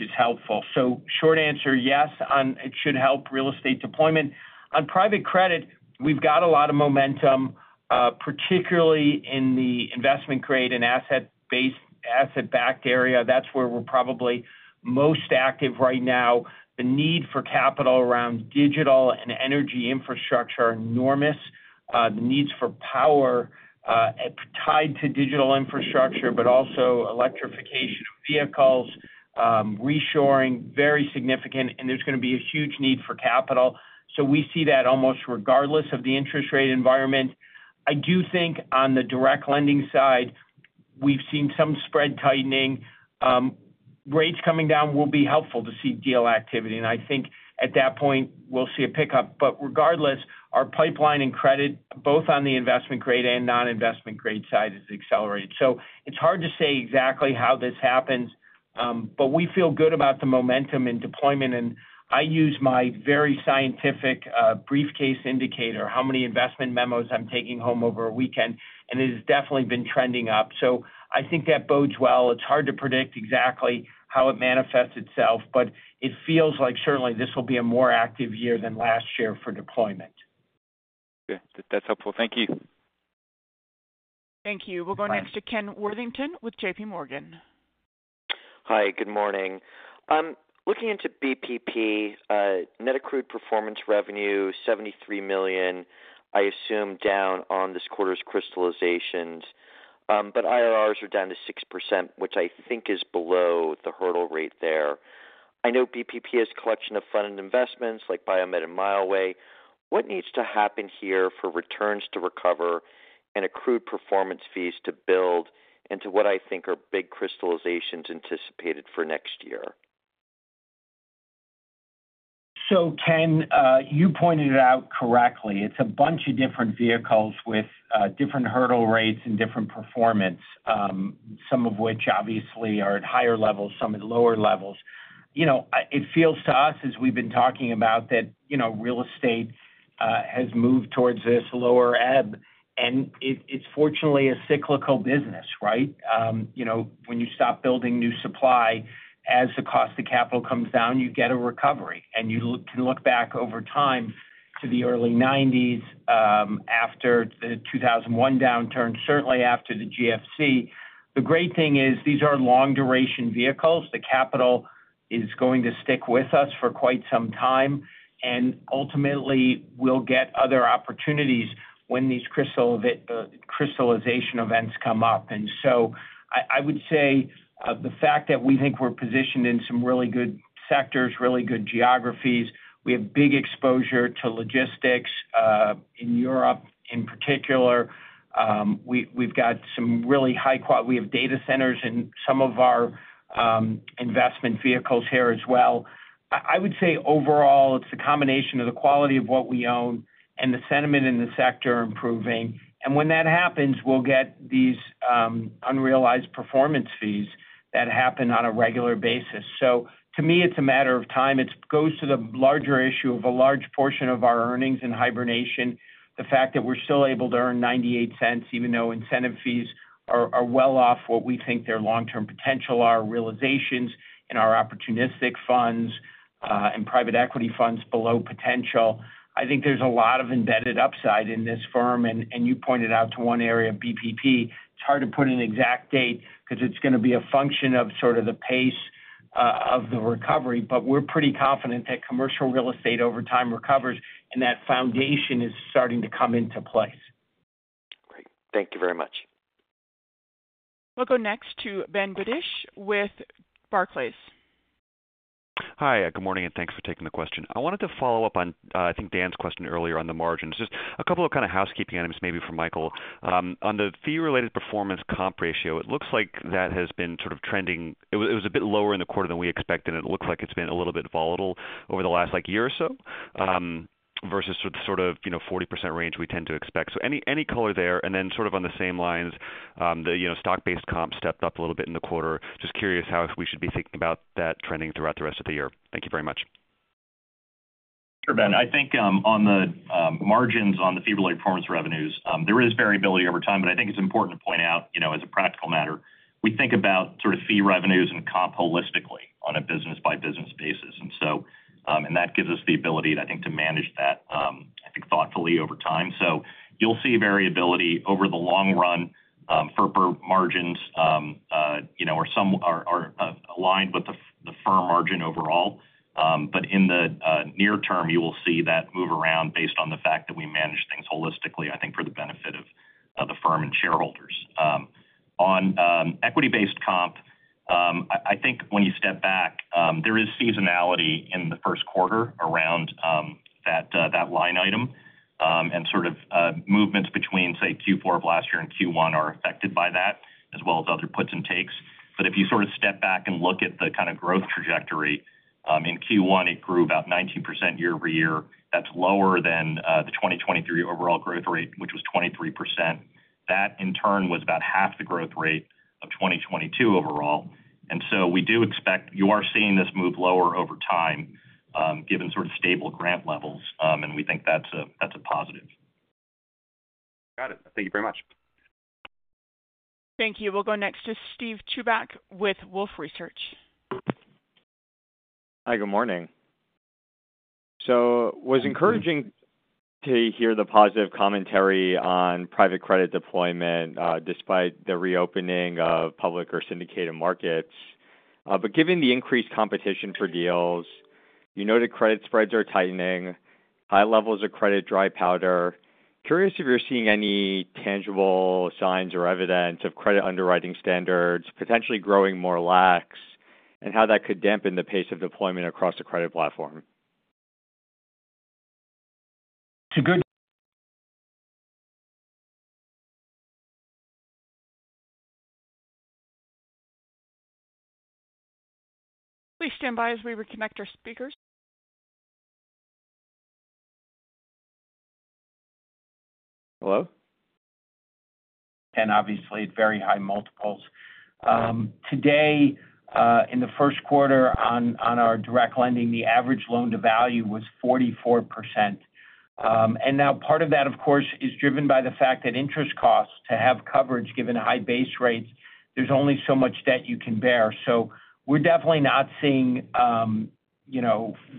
is helpful. So short answer, yes, it should help real estate deployment. On private credit, we've got a lot of momentum, particularly in the investment-grade and asset-backed area. That's where we're probably most active right now. The need for capital around digital and energy infrastructure is enormous. The needs for power tied to digital infrastructure, but also electrification of vehicles, reshoring, very significant. And there's going to be a huge need for capital. So we see that almost regardless of the interest rate environment. I do think on the direct lending side, we've seen some spread tightening. Rates coming down will be helpful to see deal activity. And I think at that point, we'll see a pickup. But regardless, our pipeline and credit, both on the investment-grade and non-investment-grade side, is accelerated. So it's hard to say exactly how this happens, but we feel good about the momentum in deployment. I use my very scientific briefcase indicator, how many investment memos I'm taking home over a weekend, and it has definitely been trending up. I think that bodes well. It's hard to predict exactly how it manifests itself, but it feels like certainly this will be a more active year than last year for deployment. Okay. That's helpful. Thank you. Thank you. We'll go next to Ken Worthington with JPMorgan. Hi. Good morning. Looking into BPP, net accrued performance revenue, $73 million, I assume, down on this quarter's crystallizations. But IRRs are down to 6%, which I think is below the hurdle rate there. I know BPP has a collection of funded investments like BioMed and Mileway. What needs to happen here for returns to recover and accrued performance fees to build into what I think are big crystallizations anticipated for next year? So Ken, you pointed it out correctly. It's a bunch of different vehicles with different hurdle rates and different performance, some of which obviously are at higher levels, some at lower levels. It feels to us, as we've been talking about, that real estate has moved towards this lower EBIT. And it's fortunately a cyclical business, right? When you stop building new supply, as the cost of capital comes down, you get a recovery. And you can look back over time to the early 1990s after the 2001 downturn, certainly after the GFC. The great thing is these are long-duration vehicles. The capital is going to stick with us for quite some time. And ultimately, we'll get other opportunities when these crystallization events come up. And so I would say the fact that we think we're positioned in some really good sectors, really good geographies, we have big exposure to logistics in Europe in particular. We've got some really high-quality we have data centers in some of our investment vehicles here as well. I would say overall, it's the combination of the quality of what we own and the sentiment in the sector improving. And when that happens, we'll get these unrealized performance fees that happen on a regular basis. So to me, it's a matter of time. It goes to the larger issue of a large portion of our earnings in hibernation, the fact that we're still able to earn $0.98 even though incentive fees are well off what we think their long-term potential are, realizations in our opportunistic funds and private equity funds below potential. I think there's a lot of embedded upside in this firm. You pointed out to one area of BPP. It's hard to put an exact date because it's going to be a function of sort of the pace of the recovery. We're pretty confident that commercial real estate over time recovers, and that foundation is starting to come into place. Great. Thank you very much. We'll go next to Ben Budish with Barclays. Hi. Good morning, and thanks for taking the question. I wanted to follow up on, I think, Dan's question earlier on the margins. Just a couple of kind of housekeeping items maybe for Michael. On the fee-related performance comp ratio, it looks like that has been sort of trending. It was a bit lower in the quarter than we expected, and it looks like it's been a little bit volatile over the last year or so versus the sort of 40% range we tend to expect. So any color there. And then sort of on the same lines, the stock-based comp stepped up a little bit in the quarter. Just curious how we should be thinking about that trending throughout the rest of the year. Thank you very much. Sure, Ben. I think on the margins on the fee-related performance revenues, there is variability over time, but I think it's important to point out as a practical matter, we think about sort of fee revenues and comp holistically on a business-by-business basis. And that gives us the ability, I think, to manage that, I think, thoughtfully over time. So you'll see variability over the long run. FRE margins are aligned with the firm margin overall. But in the near term, you will see that move around based on the fact that we manage things holistically, I think, for the benefit of the firm and shareholders. On equity-based comp, I think when you step back, there is seasonality in the first quarter around that line item. And sort of movements between, say, Q4 of last year and Q1 are affected by that, as well as other puts and takes. But if you sort of step back and look at the kind of growth trajectory, in Q1, it grew about 19% year-over-year. That's lower than the 2023 overall growth rate, which was 23%. That, in turn, was about half the growth rate of 2022 overall. And so we do expect you are seeing this move lower over time given sort of stable grant levels. And we think that's a positive. Got it. Thank you very much. Thank you. We'll go next to Steven Chubak with Wolfe Research. Hi. Good morning. It was encouraging to hear the positive commentary on private credit deployment despite the reopening of public or syndicated markets. Given the increased competition for deals, you noted credit spreads are tightening, high levels of credit dry powder. Curious if you're seeing any tangible signs or evidence of credit underwriting standards potentially growing more lax and how that could dampen the pace of deployment across the credit platform? To good. Please stand by as we reconnect our speakers. Hello? Obviously, very high multiples. Today, in the first quarter on our direct lending, the average loan to value was 44%. And now part of that, of course, is driven by the fact that interest costs, to have coverage given high base rates, there's only so much debt you can bear. So we're definitely not seeing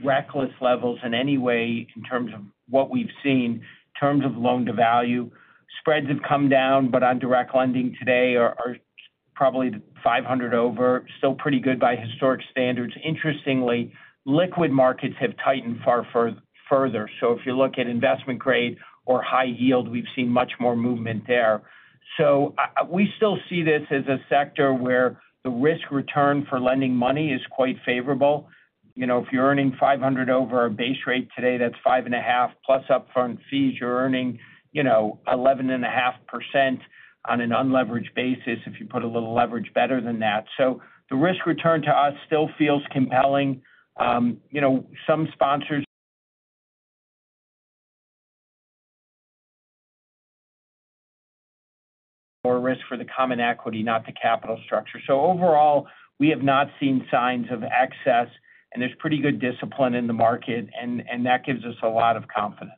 reckless levels in any way in terms of what we've seen in terms of loan to value. Spreads have come down, but on direct lending today, are probably 500 over, still pretty good by historic standards. Interestingly, liquid markets have tightened far further. So if you look at investment-grade or high-yield, we've seen much more movement there. So we still see this as a sector where the risk return for lending money is quite favorable. If you're earning 500 over a base rate today, that's 5.5+ upfront fees. You're earning 11.5% on an unleveraged basis if you put a little leverage better than that. So the risk return to us still feels compelling. Some sponsors more risk for the common equity, not the capital structure. So overall, we have not seen signs of excess, and there's pretty good discipline in the market, and that gives us a lot of confidence.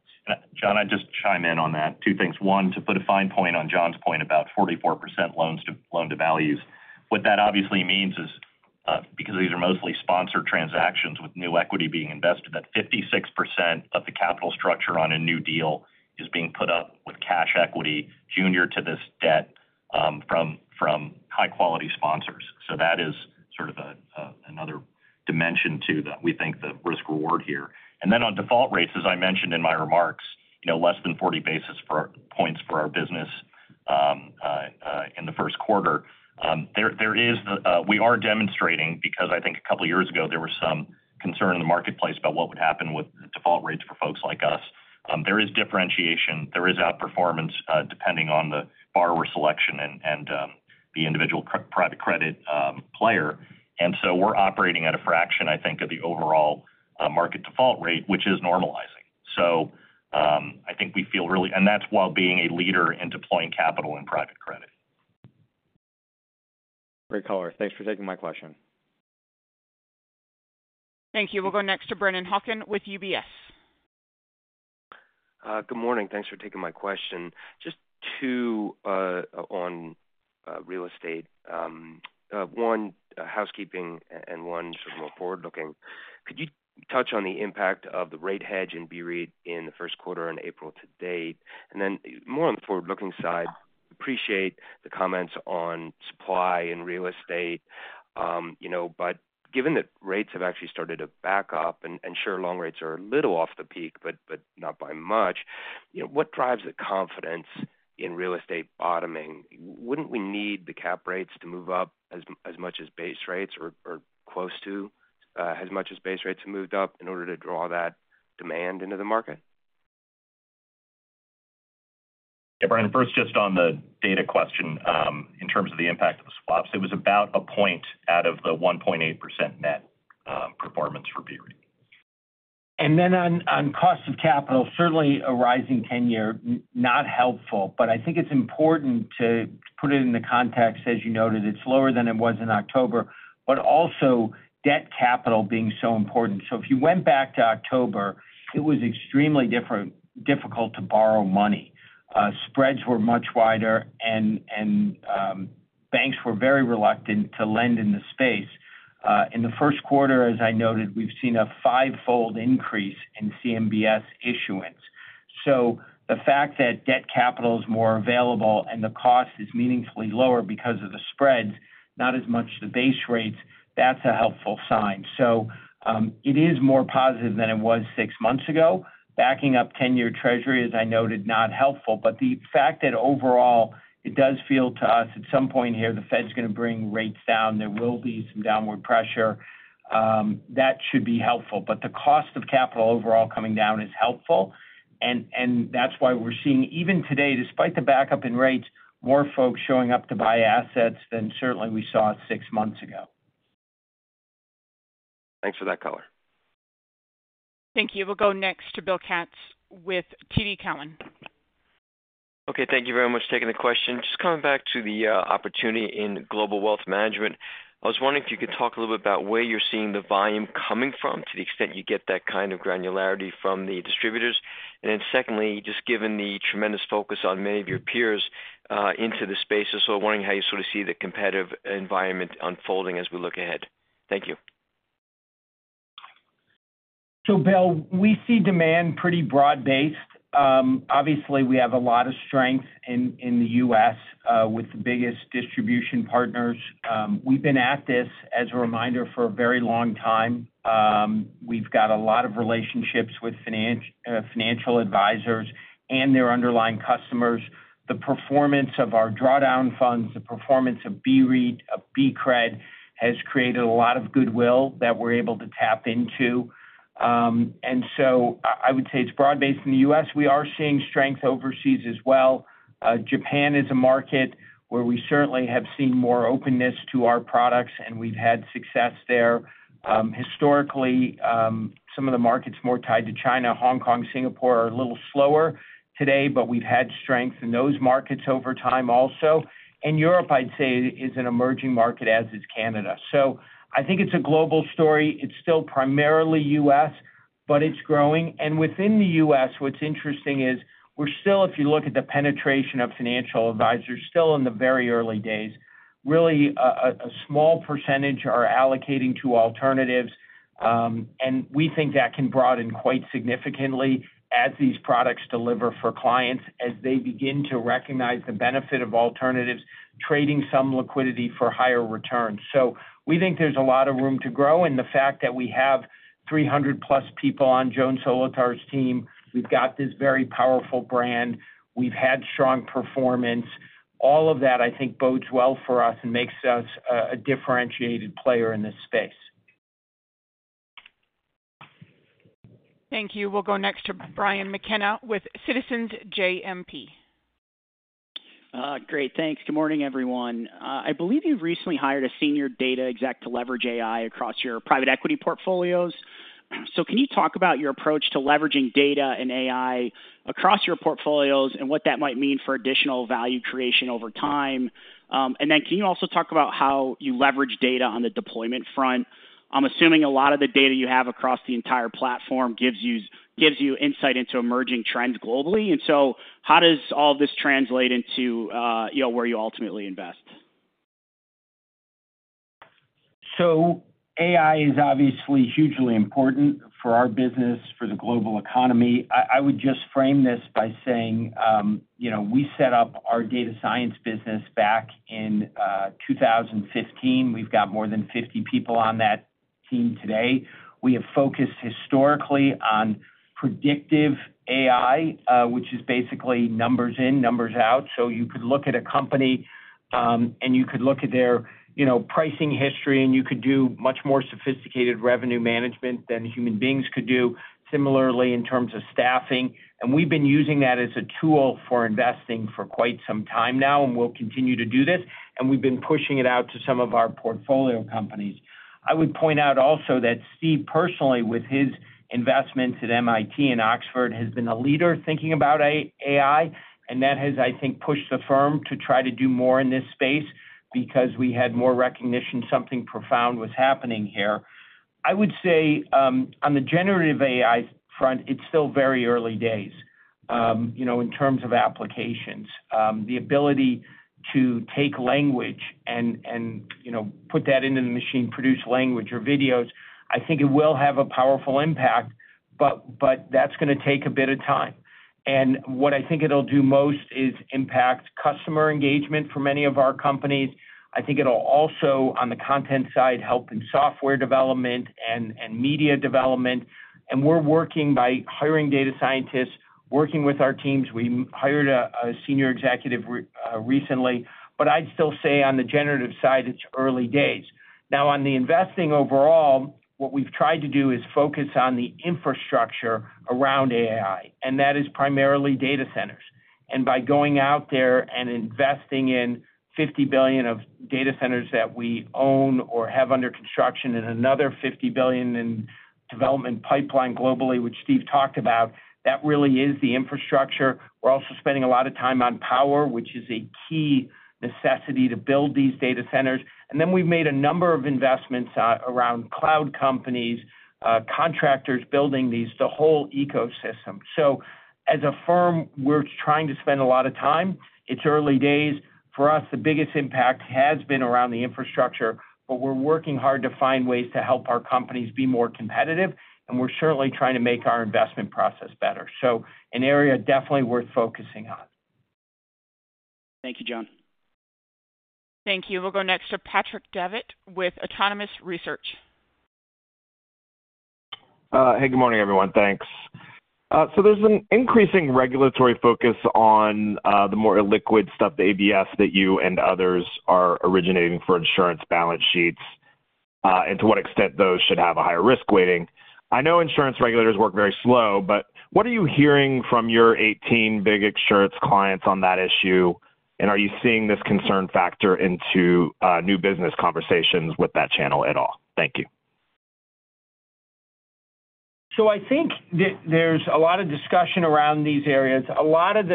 Jon, I'd just chime in on that. Two things. One, to put a fine point on Jon's point about 44% loan to values, what that obviously means is because these are mostly sponsored transactions with new equity being invested, that 56% of the capital structure on a new deal is being put up with cash equity junior to this debt from high-quality sponsors. So that is sort of another dimension to that we think the risk-reward here. And then on default rates, as I mentioned in my remarks, less than 40 basis points for our business in the first quarter. We are demonstrating because I think a couple of years ago, there was some concern in the marketplace about what would happen with default rates for folks like us. There is differentiation. There is outperformance depending on the borrower selection and the individual private credit player. We're operating at a fraction, I think, of the overall market default rate, which is normalizing. I think we feel really and that's while being a leader in deploying capital in private credit. Great color. Thanks for taking my question. Thank you. We'll go next to Brennan Hawken with UBS. Good morning. Thanks for taking my question. Just two on real estate. One, housekeeping, and one sort of more forward-looking. Could you touch on the impact of the rate hedge in BREIT in the first quarter on April to date? And then more on the forward-looking side, appreciate the comments on supply and real estate. But given that rates have actually started to back up, and sure, long rates are a little off the peak, but not by much, what drives the confidence in real estate bottoming? Wouldn't we need the cap rates to move up as much as base rates or close to as much as base rates have moved up in order to draw that demand into the market? Yeah, Brian. First, just on the data question, in terms of the impact of the swaps, it was about a point out of the 1.8% net performance for BREIT. Then on cost of capital, certainly a rising ten-year, not helpful. I think it's important to put it in the context, as you noted, it's lower than it was in October, but also debt capital being so important. If you went back to October, it was extremely difficult to borrow money. Spreads were much wider, and banks were very reluctant to lend in the space. In the first quarter, as I noted, we've seen a fivefold increase in CMBS issuance. The fact that debt capital is more available and the cost is meaningfully lower because of the spreads, not as much the base rates, that's a helpful sign. It is more positive than it was six months ago. Backing up ten-year Treasury, as I noted, not helpful. But the fact that overall, it does feel to us at some point here, the Fed's going to bring rates down. There will be some downward pressure. That should be helpful. But the cost of capital overall coming down is helpful. And that's why we're seeing even today, despite the backup in rates, more folks showing up to buy assets than certainly we saw six months ago. Thanks for that color. Thank you. We'll go next to Bill Katz with TD Cowen. Okay. Thank you very much for taking the question. Just coming back to the opportunity in global wealth management, I was wondering if you could talk a little bit about where you're seeing the volume coming from to the extent you get that kind of granularity from the distributors. And then secondly, just given the tremendous focus on many of your peers into the space, I was also wondering how you sort of see the competitive environment unfolding as we look ahead. Thank you. So Bill, we see demand pretty broad-based. Obviously, we have a lot of strength in the U.S. with the biggest distribution partners. We've been at this, as a reminder, for a very long time. We've got a lot of relationships with financial advisors and their underlying customers. The performance of our drawdown funds, the performance of BREIT, of BCRED, has created a lot of goodwill that we're able to tap into. And so I would say it's broad-based in the U.S. We are seeing strength overseas as well. Japan is a market where we certainly have seen more openness to our products, and we've had success there. Historically, some of the markets more tied to China, Hong Kong, Singapore are a little slower today, but we've had strength in those markets over time also. Europe, I'd say, is an emerging market as is Canada. So I think it's a global story. It's still primarily U.S., but it's growing. And within the U.S., what's interesting is we're still, if you look at the penetration of financial advisors, still in the very early days. Really, a small percentage are allocating to alternatives. And we think that can broaden quite significantly as these products deliver for clients, as they begin to recognize the benefit of alternatives, trading some liquidity for higher returns. So we think there's a lot of room to grow. And the fact that we have 300+ people on Joan Solotar's team, we've got this very powerful brand, we've had strong performance, all of that, I think, bodes well for us and makes us a differentiated player in this space. Thank you. We'll go next to Brian McKenna with Citizens JMP. Great. Thanks. Good morning, everyone. I believe you've recently hired a senior data exec to leverage AI across your private equity portfolios. So can you talk about your approach to leveraging data and AI across your portfolios and what that might mean for additional value creation over time? And then can you also talk about how you leverage data on the deployment front? I'm assuming a lot of the data you have across the entire platform gives you insight into emerging trends globally. And so how does all of this translate into where you ultimately invest? So AI is obviously hugely important for our business, for the global economy. I would just frame this by saying we set up our data science business back in 2015. We've got more than 50 people on that team today. We have focused historically on predictive AI, which is basically numbers in, numbers out. So you could look at a company, and you could look at their pricing history, and you could do much more sophisticated revenue management than human beings could do, similarly in terms of staffing. And we've been using that as a tool for investing for quite some time now, and we'll continue to do this. And we've been pushing it out to some of our portfolio companies. I would point out also that Steve, personally, with his investments at MIT and Oxford, has been a leader thinking about AI. And that has, I think, pushed the firm to try to do more in this space because we had more recognition something profound was happening here. I would say on the generative AI front, it's still very early days in terms of applications. The ability to take language and put that into the machine, produce language or videos, I think it will have a powerful impact, but that's going to take a bit of time. And what I think it'll do most is impact customer engagement for many of our companies. I think it'll also, on the content side, help in software development and media development. And we're working. By hiring data scientists, working with our teams. We hired a senior executive recently. But I'd still say on the generative side, it's early days. Now, on the investing overall, what we've tried to do is focus on the infrastructure around AI. And that is primarily data centers. And by going out there and investing in $50 billion of data centers that we own or have under construction and another $50 billion in development pipeline globally, which Steve talked about, that really is the infrastructure. We're also spending a lot of time on power, which is a key necessity to build these data centers. And then we've made a number of investments around cloud companies, contractors building these, the whole ecosystem. So as a firm, we're trying to spend a lot of time. It's early days. For us, the biggest impact has been around the infrastructure, but we're working hard to find ways to help our companies be more competitive. And we're certainly trying to make our investment process better. An area definitely worth focusing on. Thank you, Jon. Thank you. We'll go next to Patrick Davitt with Autonomous Research. Hey. Good morning, everyone. Thanks. So there's an increasing regulatory focus on the more illiquid stuff, the ABS, that you and others are originating for insurance balance sheets and to what extent those should have a higher risk weighting. I know insurance regulators work very slow, but what are you hearing from your 18 big insurance clients on that issue? And are you seeing this concern factor into new business conversations with that channel at all? Thank you. So I think that there's a lot of discussion around these areas. A lot of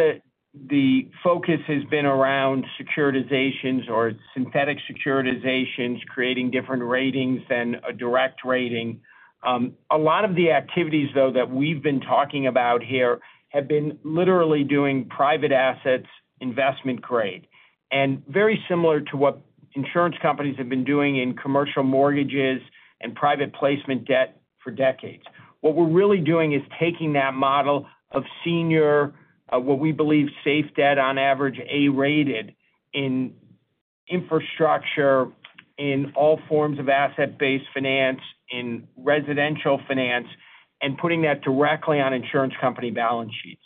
the focus has been around securitizations or synthetic securitizations, creating different ratings than a direct rating. A lot of the activities, though, that we've been talking about here have been literally doing private assets investment grade, and very similar to what insurance companies have been doing in commercial mortgages and private placement debt for decades. What we're really doing is taking that model of senior, what we believe safe debt on average, A-rated in infrastructure, in all forms of asset-based finance, in residential finance, and putting that directly on insurance company balance sheets.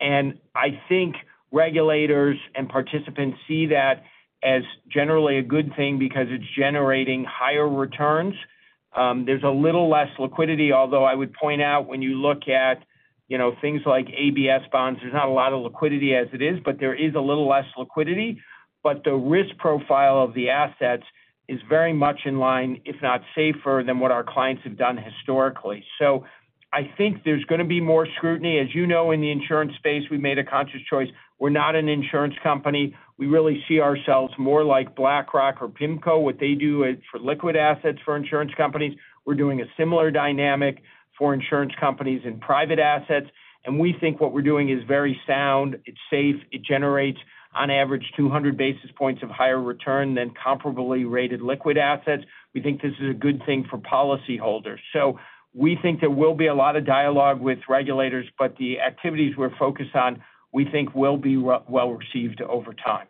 And I think regulators and participants see that as generally a good thing because it's generating higher returns. There's a little less liquidity, although I would point out when you look at things like ABS bonds, there's not a lot of liquidity as it is, but there is a little less liquidity. But the risk profile of the assets is very much in line, if not safer, than what our clients have done historically. So I think there's going to be more scrutiny. As you know, in the insurance space, we've made a conscious choice. We're not an insurance company. We really see ourselves more like BlackRock or PIMCO, what they do for liquid assets for insurance companies. We're doing a similar dynamic for insurance companies and private assets. And we think what we're doing is very sound. It's safe. It generates, on average, 200 basis points of higher return than comparably rated liquid assets. We think this is a good thing for policyholders. We think there will be a lot of dialogue with regulators, but the activities we're focused on, we think, will be well received over time.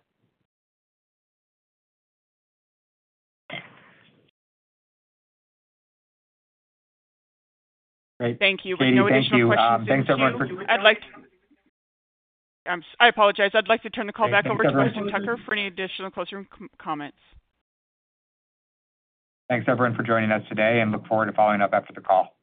Great. Thank you. If you have any additional questions, thank you. I'd like to apologize. I'd like to turn the call back over to Weston Tucker for any additional closing comments. Thanks, everyone, for joining us today, and look forward to following up after the call.